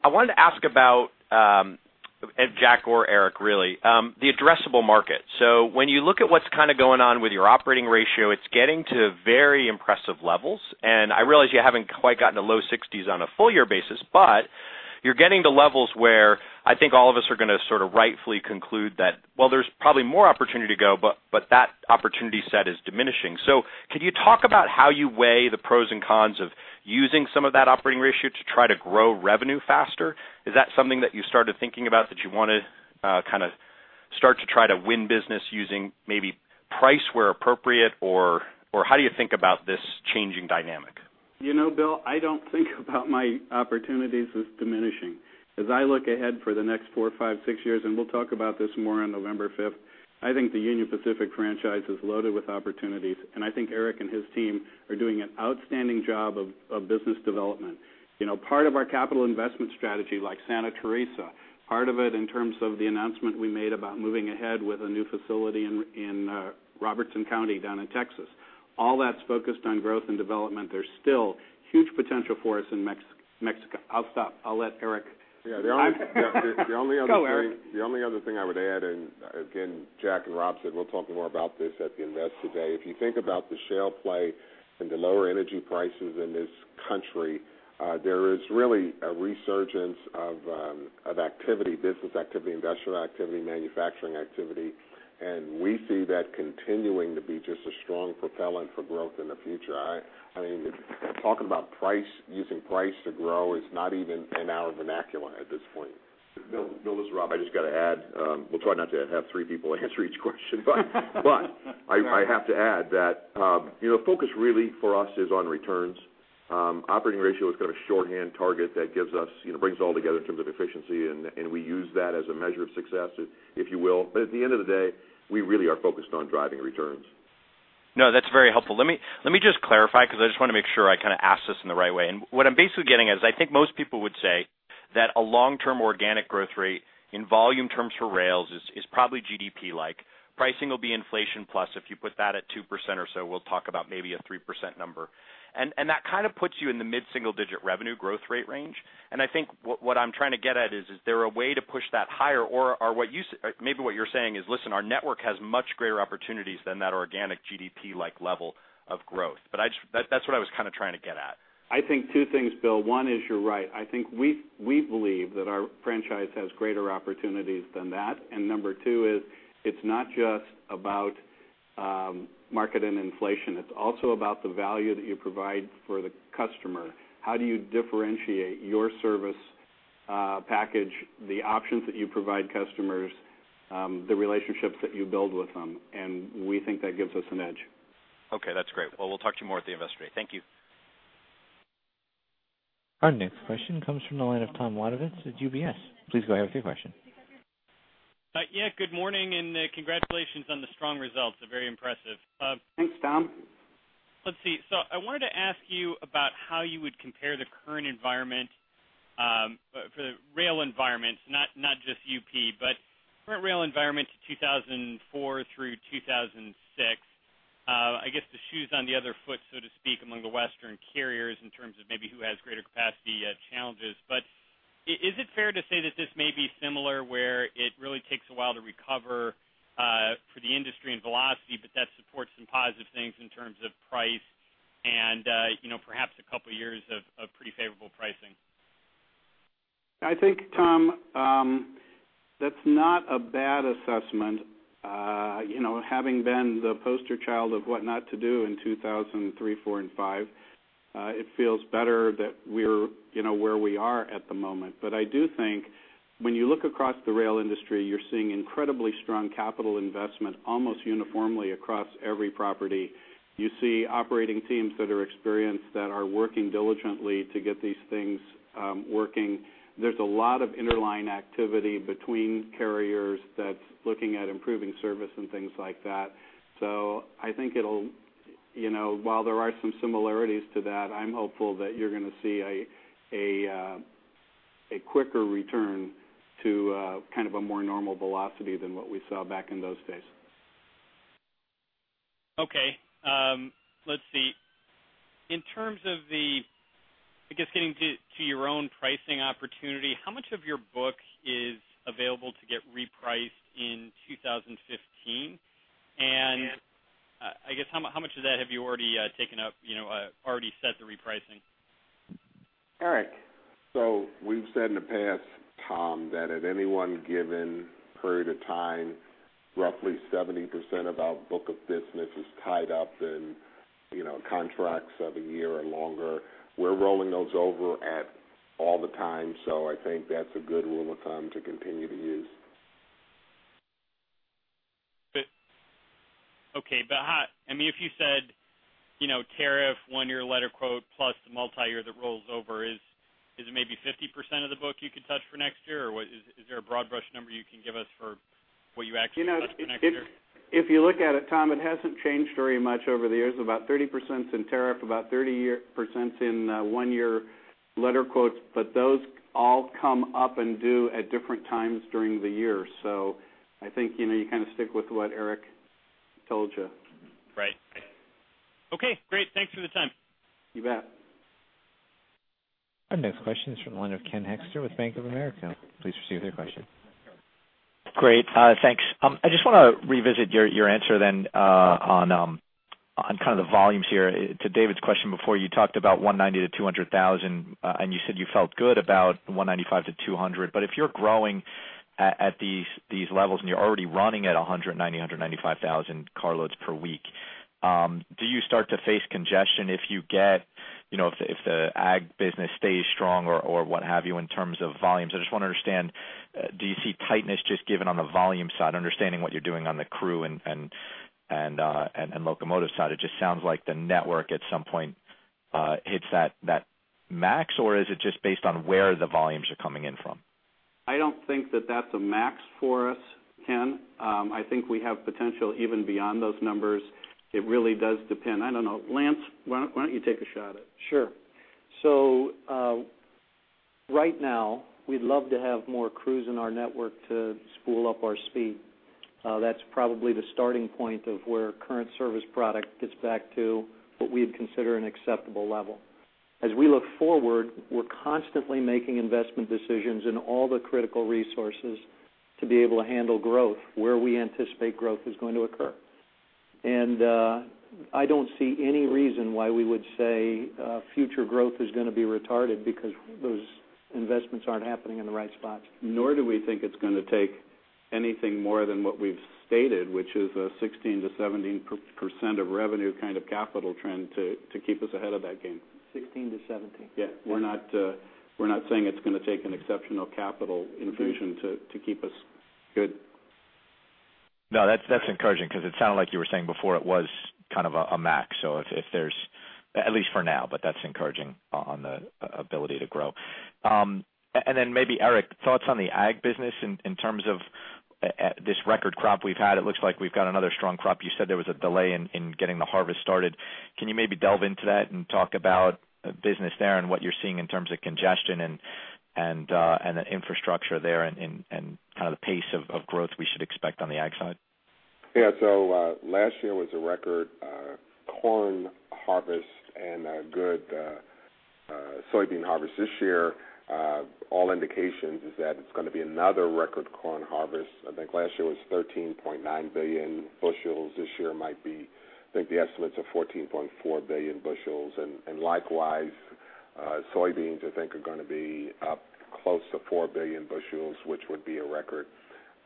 I wanted to ask about Jack or Eric, really, the addressable market. So when you look at what's kind of going on with your operating ratio, it's getting to very impressive levels. I realize you haven't quite gotten to low 60s% on a full year basis, but you're getting to levels where I think all of us are going to sort of rightfully conclude that, well, there's probably more opportunity to go, but that opportunity set is diminishing. So can you talk about how you weigh the pros and cons of using some of that operating ratio to try to grow revenue faster? Is that something that you started thinking about, that you want to kind of start to try to win business using maybe price where appropriate, or how do you think about this changing dynamic? You know, Bill, I don't think about my opportunities as diminishing. As I look ahead for the next four, five, six years, and we'll talk about this more on November fifth, I think the Union Pacific franchise is loaded with opportunities, and I think Eric and his team are doing an outstanding job of business development. You know, part of our capital investment strategy, like Santa Teresa, part of it in terms of the announcement we made about moving ahead with a new facility in, in, Robertson County, down in Texas, all that's focused on growth and development. There's still huge potential for us in Mexico. I'll stop. I'll let Eric- Yeah, the only other thing- Go, Eric. The only other thing I would add, and again, Jack and Rob said, we'll talk more about this at the Investor Day. If you think about the shale play and the lower energy prices in this country, there is really a resurgence of activity, business activity, industrial activity, manufacturing activity, and we see that continuing to be just a strong propellant for growth in the future. I mean, talking about price, using price to grow is not even in our vernacular at this point. Bill, Bill, this is Rob. I just got to add, we'll try not to have three people answer each question, but, but I, I have to add that, you know, focus really for us is on returns. Operating ratio is kind of a shorthand target that gives us, you know, brings it all together in terms of efficiency, and, and we use that as a measure of success, if you will. But at the end of the day, we really are focused on driving returns. No, that's very helpful. Let me, let me just clarify, because I just want to make sure I kind of asked this in the right way. And what I'm basically getting is, I think most people would say that a long-term organic growth rate in volume terms for rails is, is probably GDP-like. Pricing will be inflation plus. If you put that at 2% or so, we'll talk about maybe a 3% number. And, and that kind of puts you in the mid-single digit revenue growth rate range. And I think what, what I'm trying to get at is, is there a way to push that higher? Or are what you s- maybe what you're saying is, "Listen, our network has much greater opportunities than that organic GDP-like level of growth." But I just, that's what I was kind of trying to get at. I think two things, Bill. One is, you're right. I think we believe that our franchise has greater opportunities than that. And number two is, it's not just about, market and inflation, it's also about the value that you provide for the customer. How do you differentiate your service, package, the options that you provide customers, the relationships that you build with them, and we think that gives us an edge. Okay, that's great. Well, we'll talk to you more at the Investor Day. Thank you. Our next question comes from the line of Thomas Wadewitz at UBS. Please go ahead with your question. Yeah, good morning, and congratulations on the strong results, they're very impressive. Thanks, Tom. Let's see. So I wanted to ask you about how you would compare the current environment for the rail environment, not just UP, but current rail environment to 2004 through 2006. I guess the shoe's on the other foot, so to speak, among the Western carriers, in terms of maybe who has greater capacity challenges. But I, is it fair to say that this may be similar, where it really takes a while to recover for the industry and velocity, but that supports some positive things in terms of price and, you know, perhaps a couple of years of pretty favorable pricing? I think, Tom, that's not a bad assessment. You know, having been the poster child of what not to do in 2003, 2004, and 2005, it feels better that we're, you know, where we are at the moment. But I do think when you look across the rail industry, you're seeing incredibly strong capital investment, almost uniformly across every property. You see operating teams that are experienced, that are working diligently to get these things working. There's a lot of interline activity between carriers that's looking at improving service and things like that. So I think it'll... You know, while there are some similarities to that, I'm hopeful that you're going to see a quicker return to kind of a more normal velocity than what we saw back in those days. Okay. Let's see. In terms of the, I guess, getting to your own pricing opportunity, how much of your book is available to get repriced in 2015? And I guess, how much of that have you already taken up, you know, already set the repricing? Eric? So we've said in the past, Tom, that at any one given period of time, roughly 70% of our book of business is tied up in, you know, contracts of a year or longer. We're rolling those over at all the times, so I think that's a good rule of thumb to continue to use. But, okay, but how, I mean, if you said, you know, tariff one year letter quote, plus the multiyear that rolls over, is it maybe 50% of the book you could touch for next year? Or what, is there a broad brush number you can give us for what you actually next year? You know, if you look at it, Tom, it hasn't changed very much over the years. About 30% is in tariff, about 30% is in one-year letter quotes, but those all come up and due at different times during the year. So I think, you know, you kind of stick with what Eric told you. Right. Okay, great. Thanks for the time. You bet. Our next question is from the line of Ken Hoexter with Bank of America. Please proceed with your question. Great. Thanks. I just wanna revisit your answer then, on kind of the volumes here. To David's question before, you talked about 190,000-200,000, and you said you felt good about 195,000-200,000. But if you're growing at these levels, and you're already running at 190,000-195,000 carloads per week, do you start to face congestion if you get, you know, if the ag business stays strong or what have you, in terms of volumes? I just wanna understand, do you see tightness just given on the volume side, understanding what you're doing on the crew and locomotive side? It just sounds like the network at some point hits that, that max, or is it just based on where the volumes are coming in from? I don't think that that's a max for us, Ken. I think we have potential even beyond those numbers. It really does depend. I don't know, Lance, why don't you take a shot at it? Sure. Right now, we'd love to have more crews in our network to spool up our speed. That's probably the starting point of where current service product gets back to what we'd consider an acceptable level. As we look forward, we're constantly making investment decisions in all the critical resources to be able to handle growth where we anticipate growth is going to occur. I don't see any reason why we would say future growth is gonna be retarded because those investments aren't happening in the right spots. Nor do we think it's gonna take anything more than what we've stated, which is a 16%-17% of revenue kind of capital trend to keep us ahead of that game. 16-17. Yeah. We're not, we're not saying it's gonna take an exceptional capital infusion to keep us good. No, that's, that's encouraging because it sounded like you were saying before, it was kind of a max. So if there's... At least for now, but that's encouraging on the ability to grow. And then maybe, Eric, thoughts on the ag business in terms of this record crop we've had, it looks like we've got another strong crop. You said there was a delay in getting the harvest started. Can you maybe delve into that and talk about the business there and what you're seeing in terms of congestion and the infrastructure there and kind of the pace of growth we should expect on the ag side? Yeah. So, last year was a record corn harvest and a good soybean harvest. This year, all indications is that it's gonna be another record corn harvest. I think last year was 13.9 billion bushels. This year might be, I think the estimates are 14.4 billion bushels. And likewise, soybeans, I think, are gonna be up close to 4 billion bushels, which would be a record.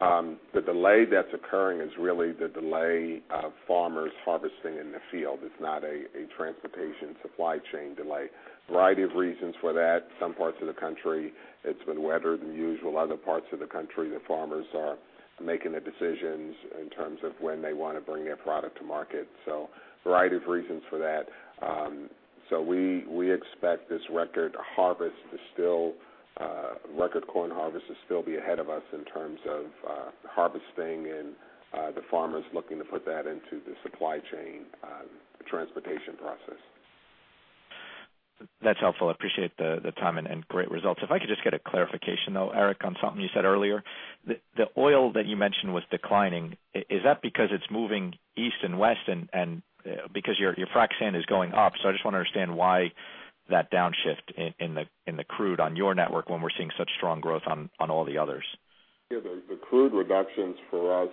The delay that's occurring is really the delay of farmers harvesting in the field. It's not a transportation supply chain delay. A variety of reasons for that. Some parts of the country, it's been wetter than usual. Other parts of the country, the farmers are making the decisions in terms of when they want to bring their product to market, so a variety of reasons for that. So we, we expect this record harvest to still, record corn harvest to still be ahead of us in terms of harvesting and the farmers looking to put that into the supply chain, transportation process. That's helpful. I appreciate the time and great results. If I could just get a clarification, though, Eric, on something you said earlier. The oil that you mentioned was declining, is that because it's moving east and west and because your frac sand is going up? So I just want to understand why that downshift in the crude on your network when we're seeing such strong growth on all the others. Yeah, the crude reductions for us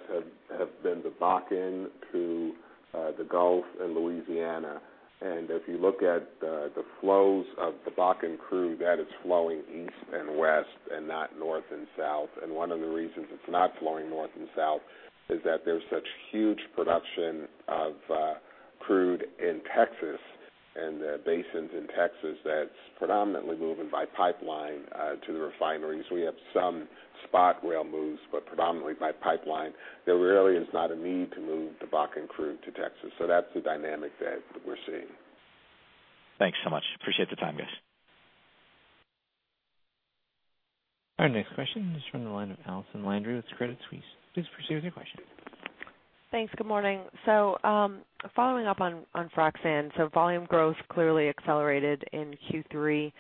have been the Bakken to the Gulf and Louisiana. And if you look at the flows of the Bakken crude, that is flowing east and west, and not north and south. And one of the reasons it's not flowing north and south is that there's such huge production of crude in Texas and the basins in Texas that's predominantly moving by pipeline to the refineries. We have some spot rail moves, but predominantly by pipeline. There really is not a need to move the Bakken crude to Texas, so that's the dynamic that we're seeing. Thanks so much. Appreciate the time, guys. Our next question is from the line of Allison Landry with Credit Suisse. Please proceed with your question. Thanks. Good morning. Following up on Frac sand, so volume growth clearly accelerated in Q3.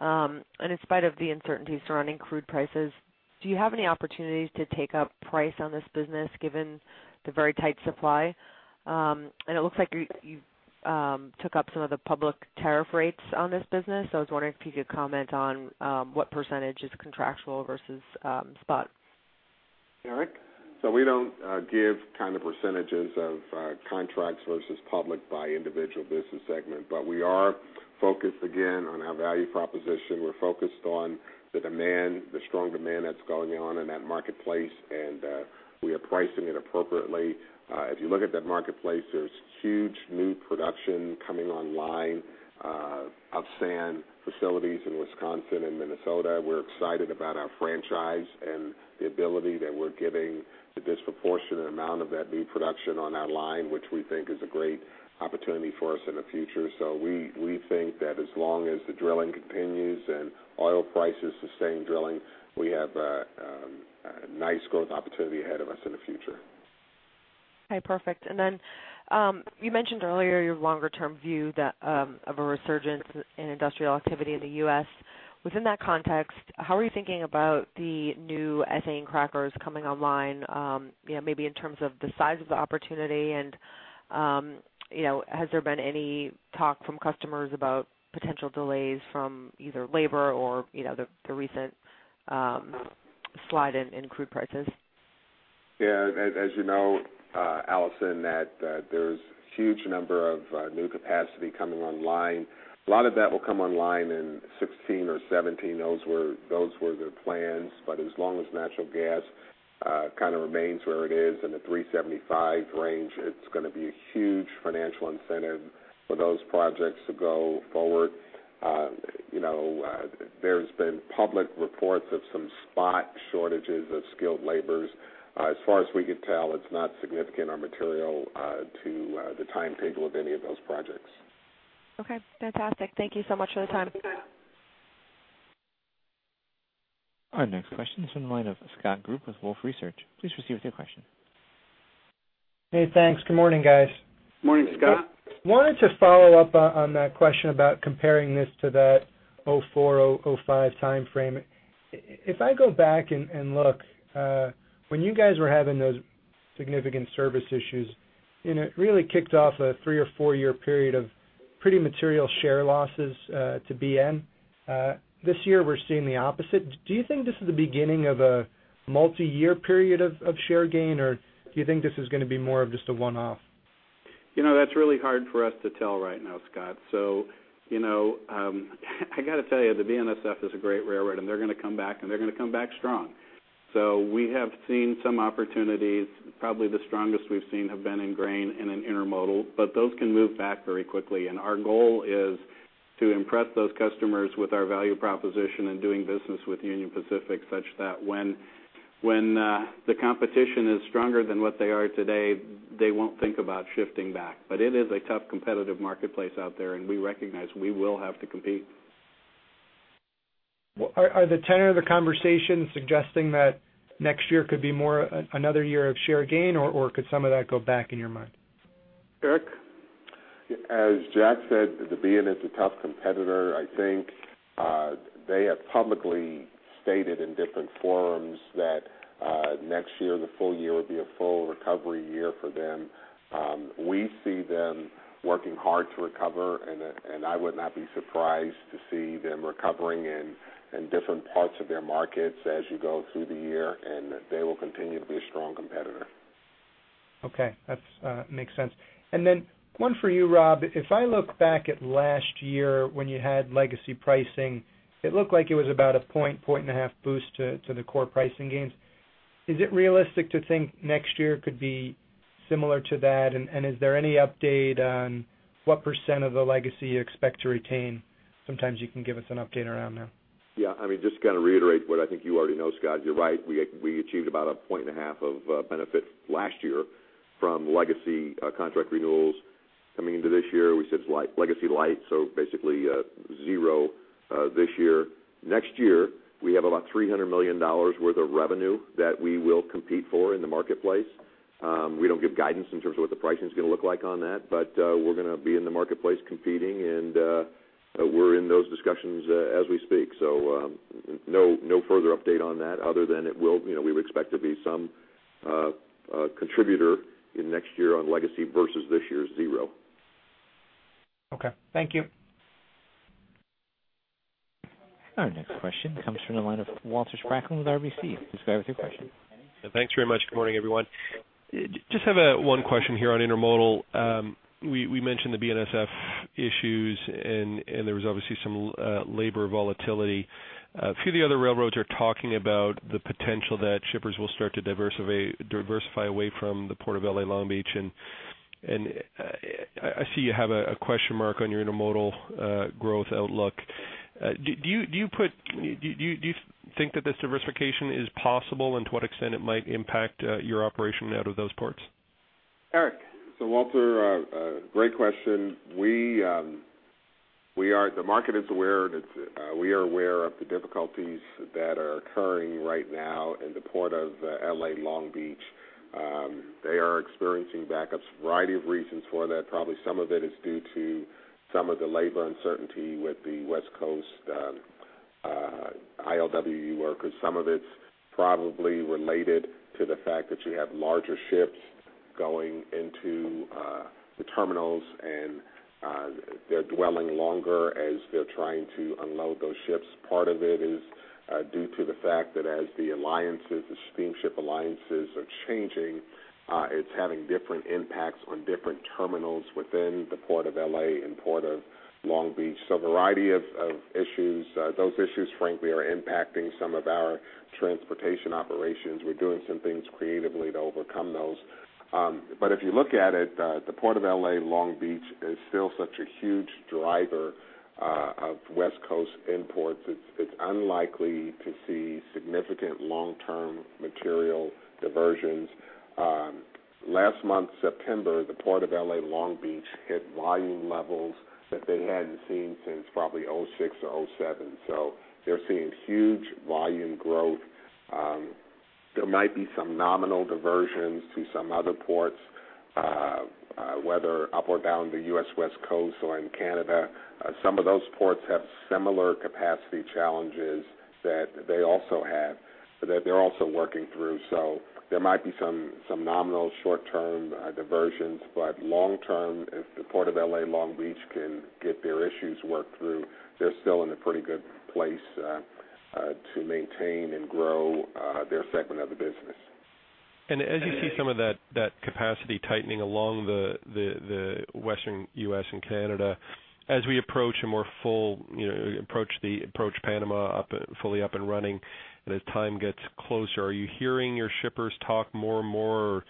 In spite of the uncertainty surrounding crude prices, do you have any opportunities to take up price on this business, given the very tight supply? It looks like you took up some of the public tariff rates on this business. I was wondering if you could comment on what percentage is contractual versus spot? Eric? So we don't give kind of percentages of contracts versus public by individual business segment, but we are focused again on our value proposition. We're focused on the demand, the strong demand that's going on in that marketplace, and we are pricing it appropriately. If you look at that marketplace, there's huge new production coming online of sand facilities in Wisconsin and Minnesota. We're excited about our franchise and the ability that we're getting the disproportionate amount of that new production on our line, which we think is a great opportunity for us in the future. So we think that as long as the drilling continues and oil prices sustain drilling, we have a nice growth opportunity ahead of us in the future. Okay, perfect. And then, you mentioned earlier your longer-term view that of a resurgence in industrial activity in the U.S. Within that context, how are you thinking about the new ethane crackers coming online, you know, maybe in terms of the size of the opportunity and, you know, has there been any talk from customers about potential delays from either labor or, you know, the recent slide in crude prices? Yeah, as you know, Alison, that there's huge number of new capacity coming online. A lot of that will come online in 2016 or 2017. Those were the plans. But as long as natural gas kind of remains where it is in the $3.75 range, it's gonna be a huge financial incentive for those projects to go forward. You know, there's been public reports of some spot shortages of skilled labors. As far as we could tell, it's not significant or material to the timetable of any of those projects. Okay, fantastic. Thank you so much for the time. Our next question is in the line of Scott Group with Wolfe Research. Please proceed with your question. Hey, thanks. Good morning, guys. Morning, Scott. Wanted to follow up on, on that question about comparing this to that 2004, 2005 time frame. If I go back and, and look, when you guys were having those significant service issues, and it really kicked off a three or four-year period of pretty material share losses, to BN. This year, we're seeing the opposite. Do you think this is the beginning of a multi-year period of, of share gain, or do you think this is gonna be more of just a one-off? You know, that's really hard for us to tell right now, Scott. So, you know, I gotta tell you, the BNSF is a great railroad, and they're gonna come back, and they're gonna come back strong. So we have seen some opportunities. Probably the strongest we've seen have been in grain and in intermodal, but those can move back very quickly. And our goal is to impress those customers with our value proposition in doing business with Union Pacific, such that when the competition is stronger than what they are today, they won't think about shifting back. But it is a tough, competitive marketplace out there, and we recognize we will have to compete. Well, are the tenor of the conversation suggesting that next year could be more, another year of share gain, or could some of that go back in your mind? Eric. As Jack said, the BN is a tough competitor. I think, they have publicly stated in different forums that, next year, the full year will be a full recovery year for them. We see them working hard to recover, and, and I would not be surprised to see them recovering in, in different parts of their markets as you go through the year, and they will continue to be a strong competitor. Okay. That's makes sense. And then one for you, Rob. If I look back at last year when you had legacy pricing, it looked like it was about a point, point and a half boost to the core pricing gains. Is it realistic to think next year could be similar to that? And is there any update on what % of the legacy you expect to retain? Sometimes you can give us an update around that. Yeah, I mean, just to kind of reiterate what I think you already know, Scott, you're right. We achieved about a 1.5-point benefit last year from legacy contract renewals. Coming into this year, we said it's legacy light, so basically zero this year. Next year, we have about $300 million worth of revenue that we will compete for in the marketplace. We don't give guidance in terms of what the pricing is gonna look like on that, but we're gonna be in the marketplace competing, and we're in those discussions as we speak. So, no, no further update on that other than it will, you know, we would expect to be some contributor in next year on legacy versus this year's zero. Okay. Thank you. Our next question comes from the line of Walter Spracklin with RBC. Just go ahead with your question. Thanks very much. Good morning, everyone. Just have one question here on intermodal. We mentioned the BNSF issues, and there was obviously some labor volatility. A few of the other railroads are talking about the potential that shippers will start to diversify away from the port of LA/Long Beach, and I see you have a question mark on your intermodal growth outlook. Do you think that this diversification is possible and to what extent it might impact your operation out of those ports? Eric? So Walter, great question. We, we are—the market is aware that, we are aware of the difficulties that are occurring right now in the Port of LA/Long Beach. They are experiencing backups, a variety of reasons for that. Probably some of it is due to some of the labor uncertainty with the West Coast, ILWU workers. Some of it's probably related to the fact that you have larger ships going into, the terminals, and, they're dwelling longer as they're trying to unload those ships. Part of it is, due to the fact that as the alliances, the steamship alliances are changing, it's having different impacts on different terminals within the Port of LA and Port of Long Beach. So a variety of issues. Those issues, frankly, are impacting some of our transportation operations. We're doing some things creatively to overcome those. But if you look at it, the Port of L.A., Long Beach, is still such a huge driver of West Coast imports that it's unlikely to see significant long-term material diversions. Last month, September, the Port of L.A., Long Beach, hit volume levels that they hadn't seen since probably 2006 or 2007, so they're seeing huge volume growth. There might be some nominal diversions to some other ports, whether up or down the U.S. West Coast or in Canada. Some of those ports have similar capacity challenges that they also have, that they're also working through. So there might be some nominal short-term diversions, but long term, if the Port of L.A., Long Beach, can get their issues worked through, they're still in a pretty good place to maintain and grow their segment of the business. As you see some of that capacity tightening along the Western U.S. and Canada, as we approach a more full, you know, approach Panama up, fully up and running, and as time gets closer, are you hearing your shippers talk more and more,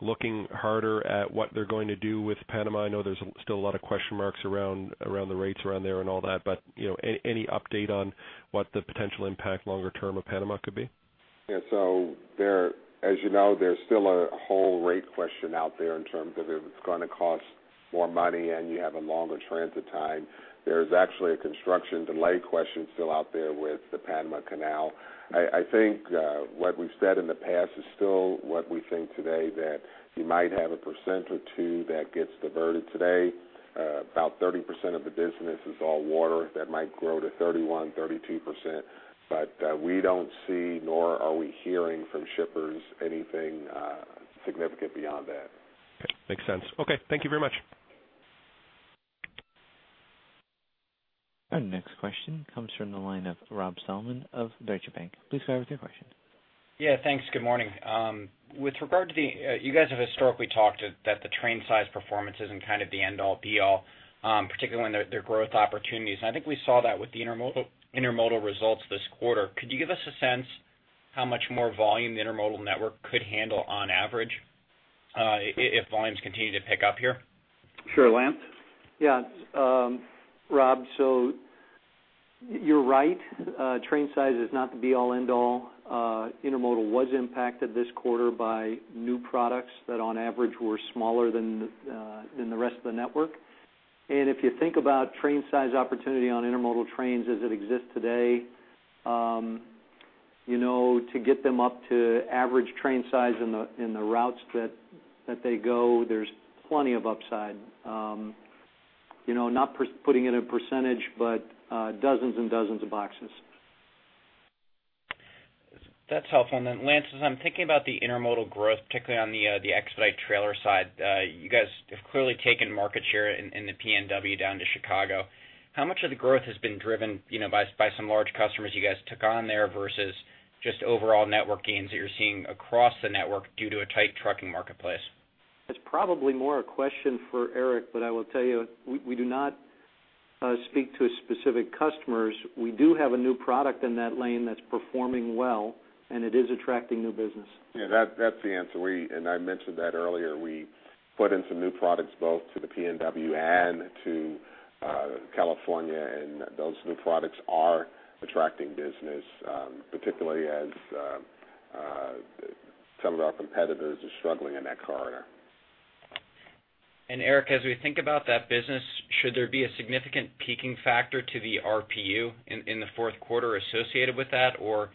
looking harder at what they're going to do with Panama? I know there's still a lot of question marks around the rates around there and all that, but, you know, any update on what the potential impact longer term of Panama could be? Yeah, so there, as you know, there's still a whole rate question out there in terms of if it's gonna cost more money and you have a longer transit time. There's actually a construction delay question still out there with the Panama Canal. I think what we've said in the past is still what we think today, that you might have 1% or 2% that gets diverted today. About 30% of the business is all water that might grow to 31%-32%, but we don't see, nor are we hearing from shippers anything significant beyond that. Makes sense. Okay, thank you very much. Our next question comes from the line of Rob Salmon of Deutsche Bank. Please go ahead with your question. Yeah, thanks. Good morning. With regard to the, you guys have historically talked that the train size performance isn't kind of the end all be all, particularly when there are growth opportunities. And I think we saw that with the intermodal, intermodal results this quarter. Could you give us a sense how much more volume the intermodal network could handle on average, if volumes continue to pick up here? Sure, Lance? Yeah, Rob, so you're right, train size is not the be all, end all. Intermodal was impacted this quarter by new products that, on average, were smaller than, than the rest of the network. And if you think about train size opportunity on intermodal trains as it exists today, you know, to get them up to average train size in the, in the routes that, that they go, there's plenty of upside. You know, not putting it in a percentage, but, dozens and dozens of boxes. That's helpful. And then, Lance, as I'm thinking about the intermodal growth, particularly on the expedite trailer side, you guys have clearly taken market share in the PNW down to Chicago. How much of the growth has been driven, you know, by some large customers you guys took on there versus just overall network gains that you're seeing across the network due to a tight trucking marketplace? It's probably more a question for Eric, but I will tell you, we do not speak to specific customers. We do have a new product in that lane that's performing well, and it is attracting new business. Yeah, that's the answer. We and I mentioned that earlier, we put in some new products, both to the PNW and to California, and those new products are attracting business, particularly as some of our competitors are struggling in that corridor. Eric, as we think about that business, should there be a significant peaking factor to the RPU in the fourth quarter associated with that? Or,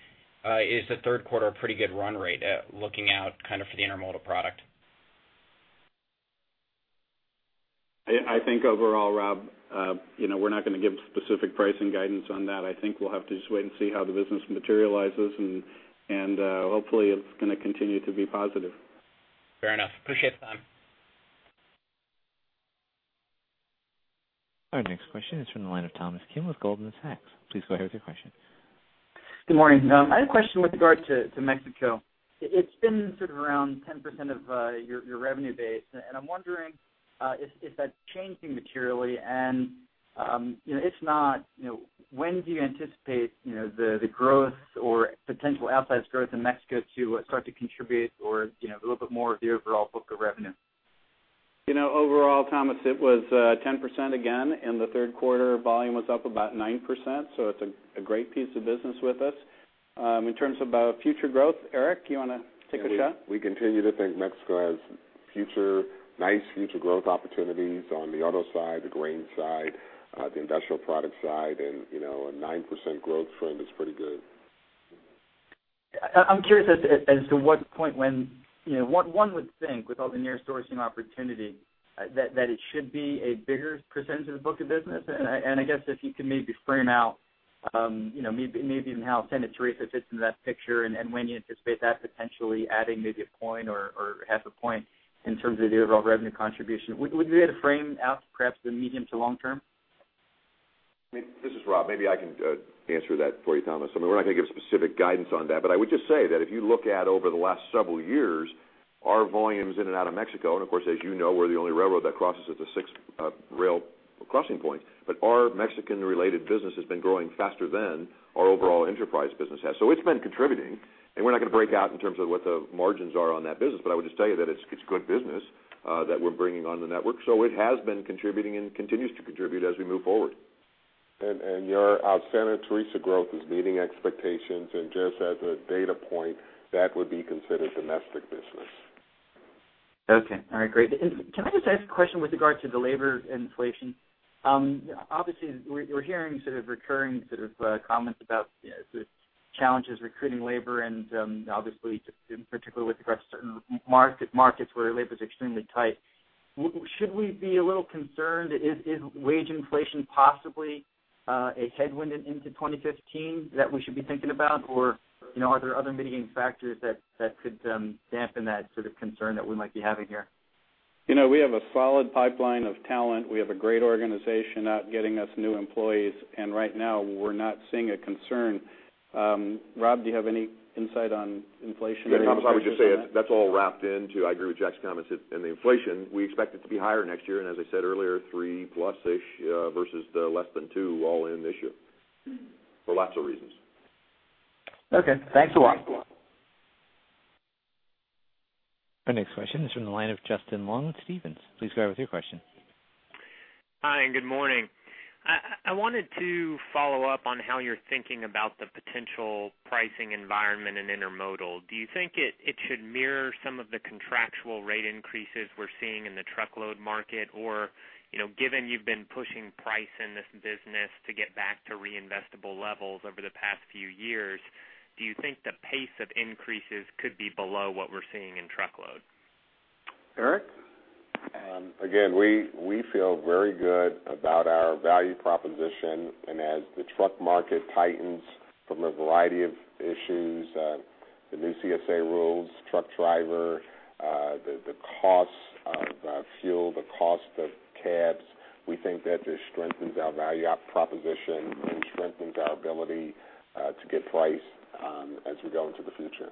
is the third quarter a pretty good run rate, looking out kind of for the intermodal product? I think overall, Rob, you know, we're not going to give specific pricing guidance on that. I think we'll have to just wait and see how the business materializes, and hopefully, it's gonna continue to be positive. Fair enough. Appreciate the time. Our next question is from the line of Thomas Kim with Goldman Sachs. Please go ahead with your question. Good morning. I had a question with regard to Mexico. It's been sort of around 10% of your revenue base, and I'm wondering, is that changing materially? And if not, you know, when do you anticipate, you know, the growth or potential outsized growth in Mexico to start to contribute or, you know, a little bit more of the overall book of revenue? You know, overall, Thomas, it was ten percent again, in the third quarter. Volume was up about nine percent, so it's a great piece of business with us. In terms about future growth, Eric, you want to take a shot? We continue to think Mexico has future, nice future growth opportunities on the auto side, the grain side, the industrial product side, and, you know, a 9% growth trend is pretty good. I'm curious as to what point when... You know, one would think with all the near sourcing opportunity, that it should be a bigger percentage of the book of business. And I guess if you could maybe frame out... you know, maybe even how Santa Teresa fits into that picture and when you anticipate that potentially adding maybe a point or half a point in terms of the overall revenue contribution. Would you be able to frame out perhaps the medium to long term? This is Rob. Maybe I can answer that for you, Thomas. I mean, we're not gonna give specific guidance on that, but I would just say that if you look at over the last several years, our volumes in and out of Mexico, and of course, as you know, we're the only railroad that crosses at the sixth rail crossing point, but our Mexican-related business has been growing faster than our overall enterprise business has. So it's been contributing, and we're not gonna break out in terms of what the margins are on that business, but I would just tell you that it's good business that we're bringing on the network. So it has been contributing and continues to contribute as we move forward. Your Santa Teresa growth is meeting expectations, and just as a data point, that would be considered domestic business. Okay. All right, great. And can I just ask a question with regard to the labor inflation? Obviously, we're, we're hearing sort of recurring sort of, comments about the challenges recruiting labor and, obviously, just in particular, with regard to certain market, markets where labor is extremely tight. Should we be a little concerned, is wage inflation possibly, a headwind into 2015 that we should be thinking about? Or, you know, are there other mitigating factors that, that could, dampen that sort of concern that we might be having here? You know, we have a solid pipeline of talent. We have a great organization out getting us new employees, and right now we're not seeing a concern. Rob, do you have any insight on inflation? Yeah, Thomas, I was just gonna say, that's all wrapped into. I agree with Jack's comments, and the inflation, we expect it to be higher next year, and as I said earlier, 3 plus-ish versus the less than 2 all-in this year, for lots of reasons. Okay. Thanks a lot. Our next question is from the line of Justin Long with Stephens. Please go ahead with your question. Hi, and good morning. I wanted to follow up on how you're thinking about the potential pricing environment in intermodal. Do you think it should mirror some of the contractual rate increases we're seeing in the truckload market? Or, you know, given you've been pushing price in this business to get back to reinvestable levels over the past few years, do you think the pace of increases could be below what we're seeing in truckload? Eric? Again, we feel very good about our value proposition. As the truck market tightens from a variety of issues, the new CSA rules, truck driver, the cost of fuel, the cost of cabs, we think that just strengthens our value proposition and strengthens our ability to get price as we go into the future.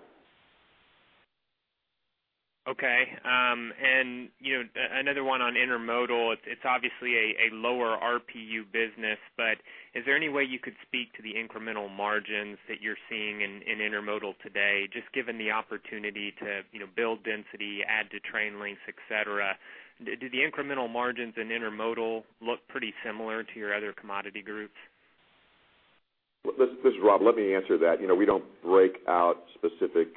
Okay, and, you know, another one on intermodal, it's obviously a lower RPU business, but is there any way you could speak to the incremental margins that you're seeing in intermodal today, just given the opportunity to, you know, build density, add to train links, et cetera? Do the incremental margins in intermodal look pretty similar to your other commodity groups? This is Rob. Let me answer that. You know, we don't break out specific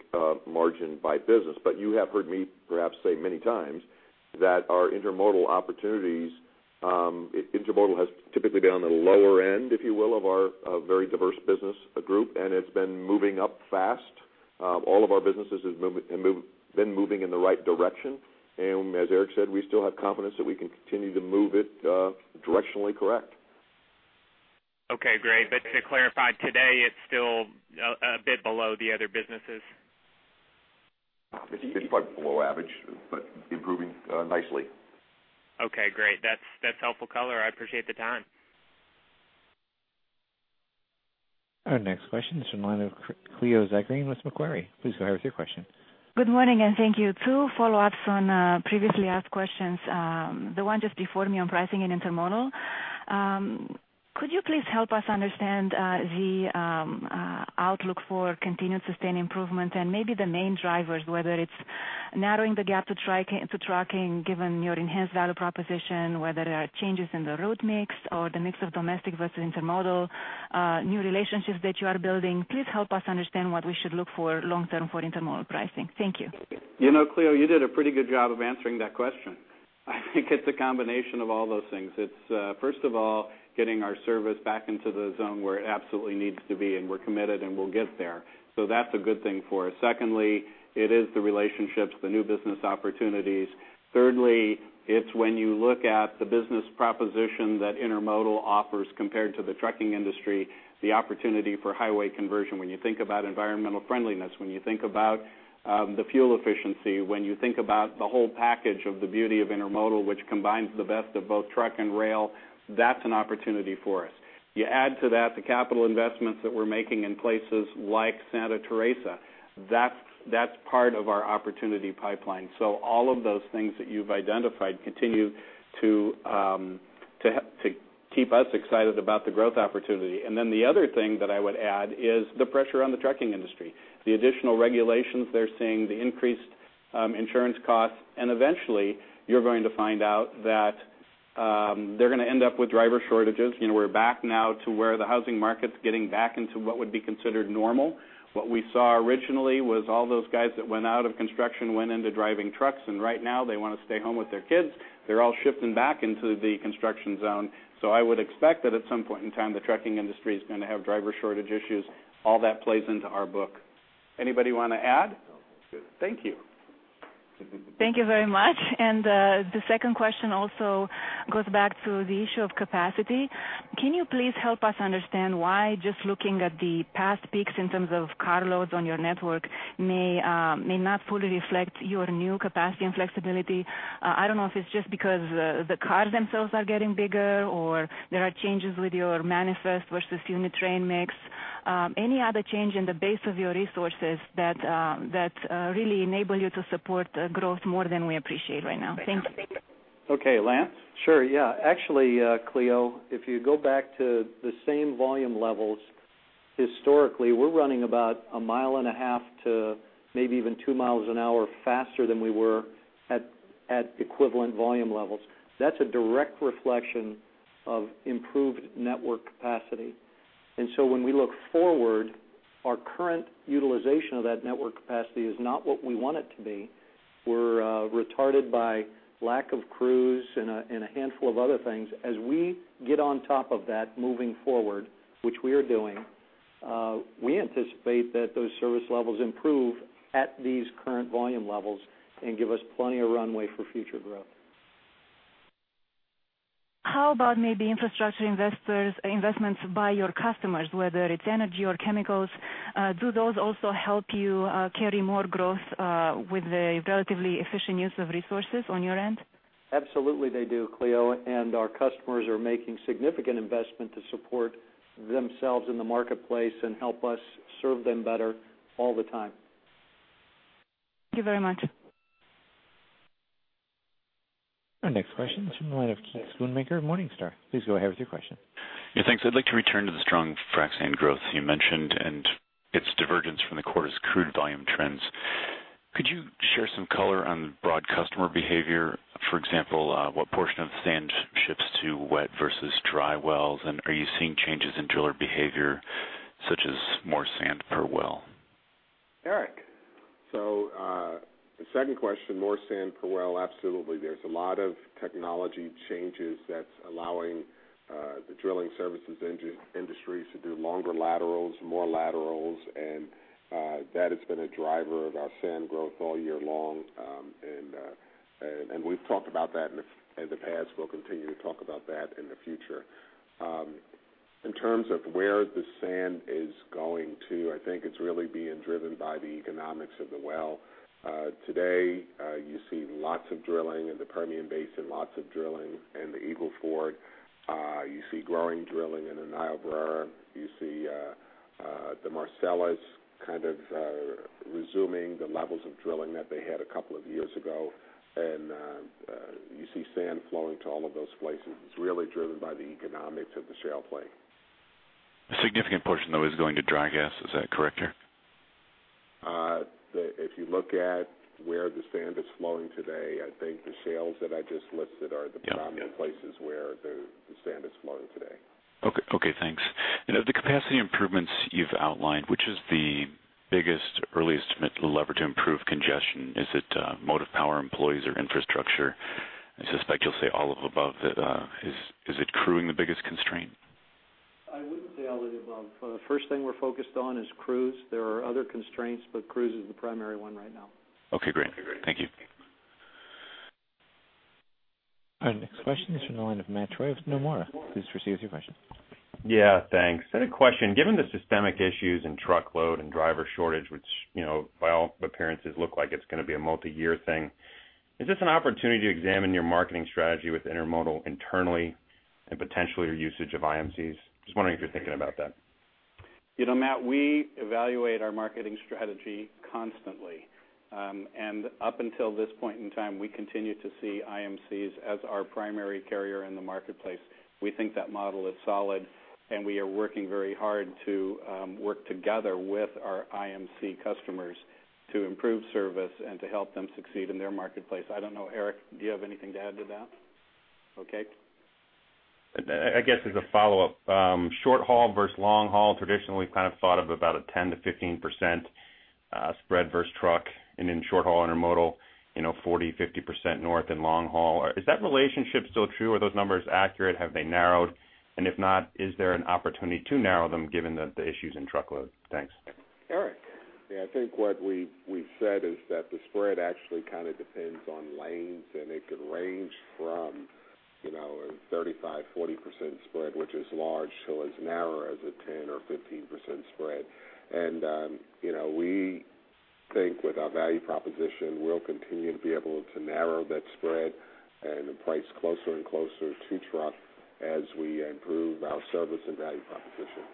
margin by business, but you have heard me perhaps say many times that our intermodal opportunities, intermodal has typically been on the lower end, if you will, of our very diverse business group, and it's been moving up fast. All of our businesses have been moving in the right direction. And as Eric said, we still have confidence that we can continue to move it directionally correct. Okay, great. But to clarify, today, it's still a bit below the other businesses? It's probably below average, but improving, nicely. Okay, great. That's, that's helpful color. I appreciate the time. Our next question is from the line of Cleo Zagrean with Macquarie. Please go ahead with your question. Good morning, and thank you. Two follow-ups on previously asked questions. The one just before me on pricing and intermodal. Could you please help us understand the outlook for continued sustained improvement and maybe the main drivers, whether it's narrowing the gap to trucking, given your enhanced value proposition, whether there are changes in the road mix or the mix of domestic versus intermodal, new relationships that you are building, please help us understand what we should look for long term for intermodal pricing. Thank you. You know, Cleo, you did a pretty good job of answering that question. I think it's a combination of all those things. It's first of all, getting our service back into the zone where it absolutely needs to be, and we're committed, and we'll get there. So that's a good thing for us. Secondly, it is the relationships, the new business opportunities. Thirdly, it's when you look at the business proposition that intermodal offers compared to the trucking industry, the opportunity for highway conversion. When you think about environmental friendliness, when you think about the fuel efficiency, when you think about the whole package of the beauty of intermodal, which combines the best of both truck and rail, that's an opportunity for us. You add to that, the capital investments that we're making in places like Santa Teresa, that's part of our opportunity pipeline. So all of those things that you've identified continue to keep us excited about the growth opportunity. And then the other thing that I would add is the pressure on the trucking industry, the additional regulations they're seeing, the increased insurance costs, and eventually, you're going to find out that they're gonna end up with driver shortages. You know, we're back now to where the housing market's getting back into what would be considered normal. What we saw originally was all those guys that went out of construction went into driving trucks, and right now they want to stay home with their kids. They're all shifting back into the construction zone. So I would expect that at some point in time, the trucking industry is gonna have driver shortage issues. All that plays into our book. Anybody want to add? No. Thank you. Thank you very much. The second question also goes back to the issue of capacity. Can you please help us understand why just looking at the past peaks in terms of carloads on your network may not fully reflect your new capacity and flexibility? I don't know if it's just because the cars themselves are getting bigger or there are changes with your manifest versus unit train mix. Any other change in the base of your resources that really enable you to support growth more than we appreciate right now? Thank you. Okay, Lance? Sure, yeah. Actually, Cleo, if you go back to the same volume levels, historically, we're running about 1.5 to maybe even 2 miles an hour faster than we were at, at equivalent volume levels. That's a direct reflection of improved network capacity. And so when we look forward, our current utilization of that network capacity is not what we want it to be. We're retarded by lack of crews and a, and a handful of other things. As we get on top of that moving forward, which we are doing, we anticipate that those service levels improve at these current volume levels and give us plenty of runway for future growth. How about maybe infrastructure investors, investments by your customers, whether it's energy or chemicals? Do those also help you carry more growth with the relatively efficient use of resources on your end? Absolutely, they do, Cleo, and our customers are making significant investment to support themselves in the marketplace and help us serve them better all the time. Thank you very much. Our next question is from the line of Keith Schoonmaker, Morningstar. Please go ahead with your question. Yeah, thanks. I'd like to return to the strong Frac sand growth you mentioned and its divergence from the quarter's crude volume trends. Could you share some color on broad customer behavior? For example, what portion of sand ships to wet versus dry wells, and are you seeing changes in driller behavior, such as more sand per well? Eric? So, the second question, more sand per well, absolutely. There's a lot of technology changes that's allowing the drilling services industries to do longer laterals, more laterals, and that has been a driver of our sand growth all year long. And we've talked about that in the past. We'll continue to talk about that in the future. In terms of where the sand is going to, I think it's really being driven by the economics of the well. Today, you see lots of drilling in the Permian Basin, lots of drilling in the Eagle Ford. You see growing drilling in the Niobrara. You see the Marcellus kind of resuming the levels of drilling that they had a couple of years ago. And you see sand flowing to all of those places. It's really driven by the economics of the shale play. A significant portion, though, is going to dry gas. Is that correct here? If you look at where the sand is flowing today, I think the shales that I just listed are- Yeah, yeah. the predominant places where the sand is flowing today. Okay, okay, thanks. And of the capacity improvements you've outlined, which is the biggest, earliest lever to improve congestion? Is it motive power, employees, or infrastructure? I suspect you'll say all of above. Is it crewing the biggest constraint? I wouldn't say all of the above. The first thing we're focused on is crews. There are other constraints, but crews is the primary one right now. Okay, great. Thank you. Our next question is from the line of Matt Troy with Nomura. Please proceed with your question. Yeah, thanks. I had a question. Given the systemic issues in truckload and driver shortage, which, you know, by all appearances, look like it's gonna be a multi-year thing, is this an opportunity to examine your marketing strategy with intermodal internally and potentially your usage of IMCs? Just wondering if you're thinking about that. You know, Matt, we evaluate our marketing strategy constantly. Up until this point in time, we continue to see IMCs as our primary carrier in the marketplace. We think that model is solid, and we are working very hard to work together with our IMC customers to improve service and to help them succeed in their marketplace. I don't know, Eric, do you have anything to add to that? Okay. I guess as a follow-up, short haul versus long haul, traditionally, we've kind of thought of about a 10%-15% spread versus truck, and in short haul intermodal, you know, 40%, 50% north and long haul. Is that relationship still true? Are those numbers accurate? Have they narrowed? And if not, is there an opportunity to narrow them, given the issues in truckload? Thanks. Eric. Yeah, I think what we've said is that the spread actually kind of depends on lanes, and it could range from, you know, a 35-40% spread, which is large, to as narrow as a 10 or 15% spread. And, you know, we think with our value proposition, we'll continue to be able to narrow that spread and price closer and closer to truck as we improve our service and value proposition.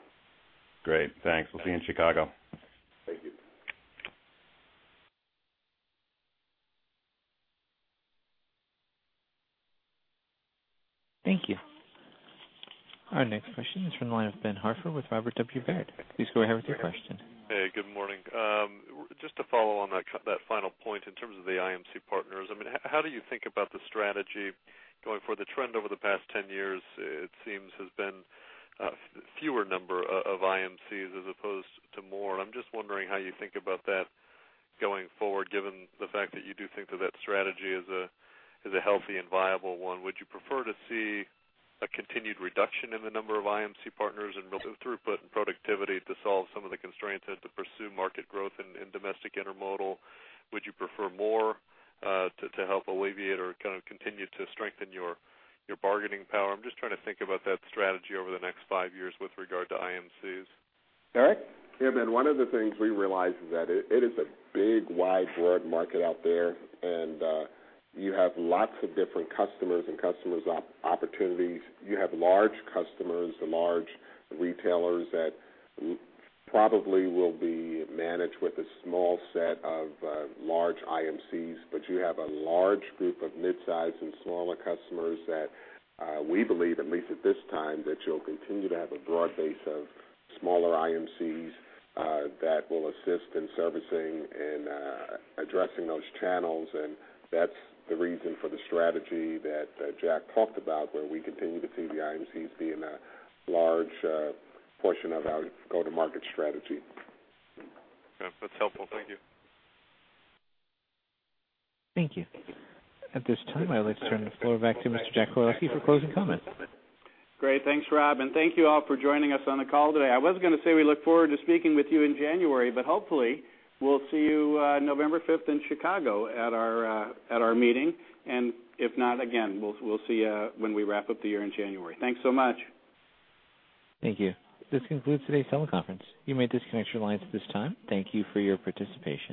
Great. Thanks. We'll see you in Chicago. Thank you. Thank you. Our next question is from the line of Ben Hartford with Robert W. Baird. Please go ahead with your question. Hey, good morning. Just to follow on that final point in terms of the IMC partners, I mean, how do you think about the strategy going forward? The trend over the past 10 years, it seems, has been fewer number of IMCs as opposed to more. I'm just wondering how you think about that going forward, given the fact that you do think that that strategy is a healthy and viable one. Would you prefer to see a continued reduction in the number of IMC partners and throughput and productivity to solve some of the constraints and to pursue market growth in domestic intermodal? Would you prefer more to help alleviate or kind of continue to strengthen your bargaining power? I'm just trying to think about that strategy over the next five years with regard to IMCs. Eric? Yeah, Ben, one of the things we realized is that it is a big, wide, broad market out there, and you have lots of different customers and customer opportunities. You have large customers and large retailers that probably will be managed with a small set of large IMCs, but you have a large group of mid-sized and smaller customers that we believe, at least at this time, that you'll continue to have a broad base of smaller IMCs that will assist in servicing and addressing those channels. And that's the reason for the strategy that Jack talked about, where we continue to see the IMCs being a large portion of our go-to-market strategy. Yeah, that's helpful. Thank you. Thank you. At this time, I'd like to turn the floor back to Mr. Jack Koraleski for closing comments. Great. Thanks, Rob, and thank you all for joining us on the call today. I was gonna say we look forward to speaking with you in January, but hopefully we'll see you November fifth in Chicago at our meeting, and if not, again, we'll see you when we wrap up the year in January. Thanks so much. Thank you. This concludes today's teleconference. You may disconnect your lines at this time. Thank you for your participation.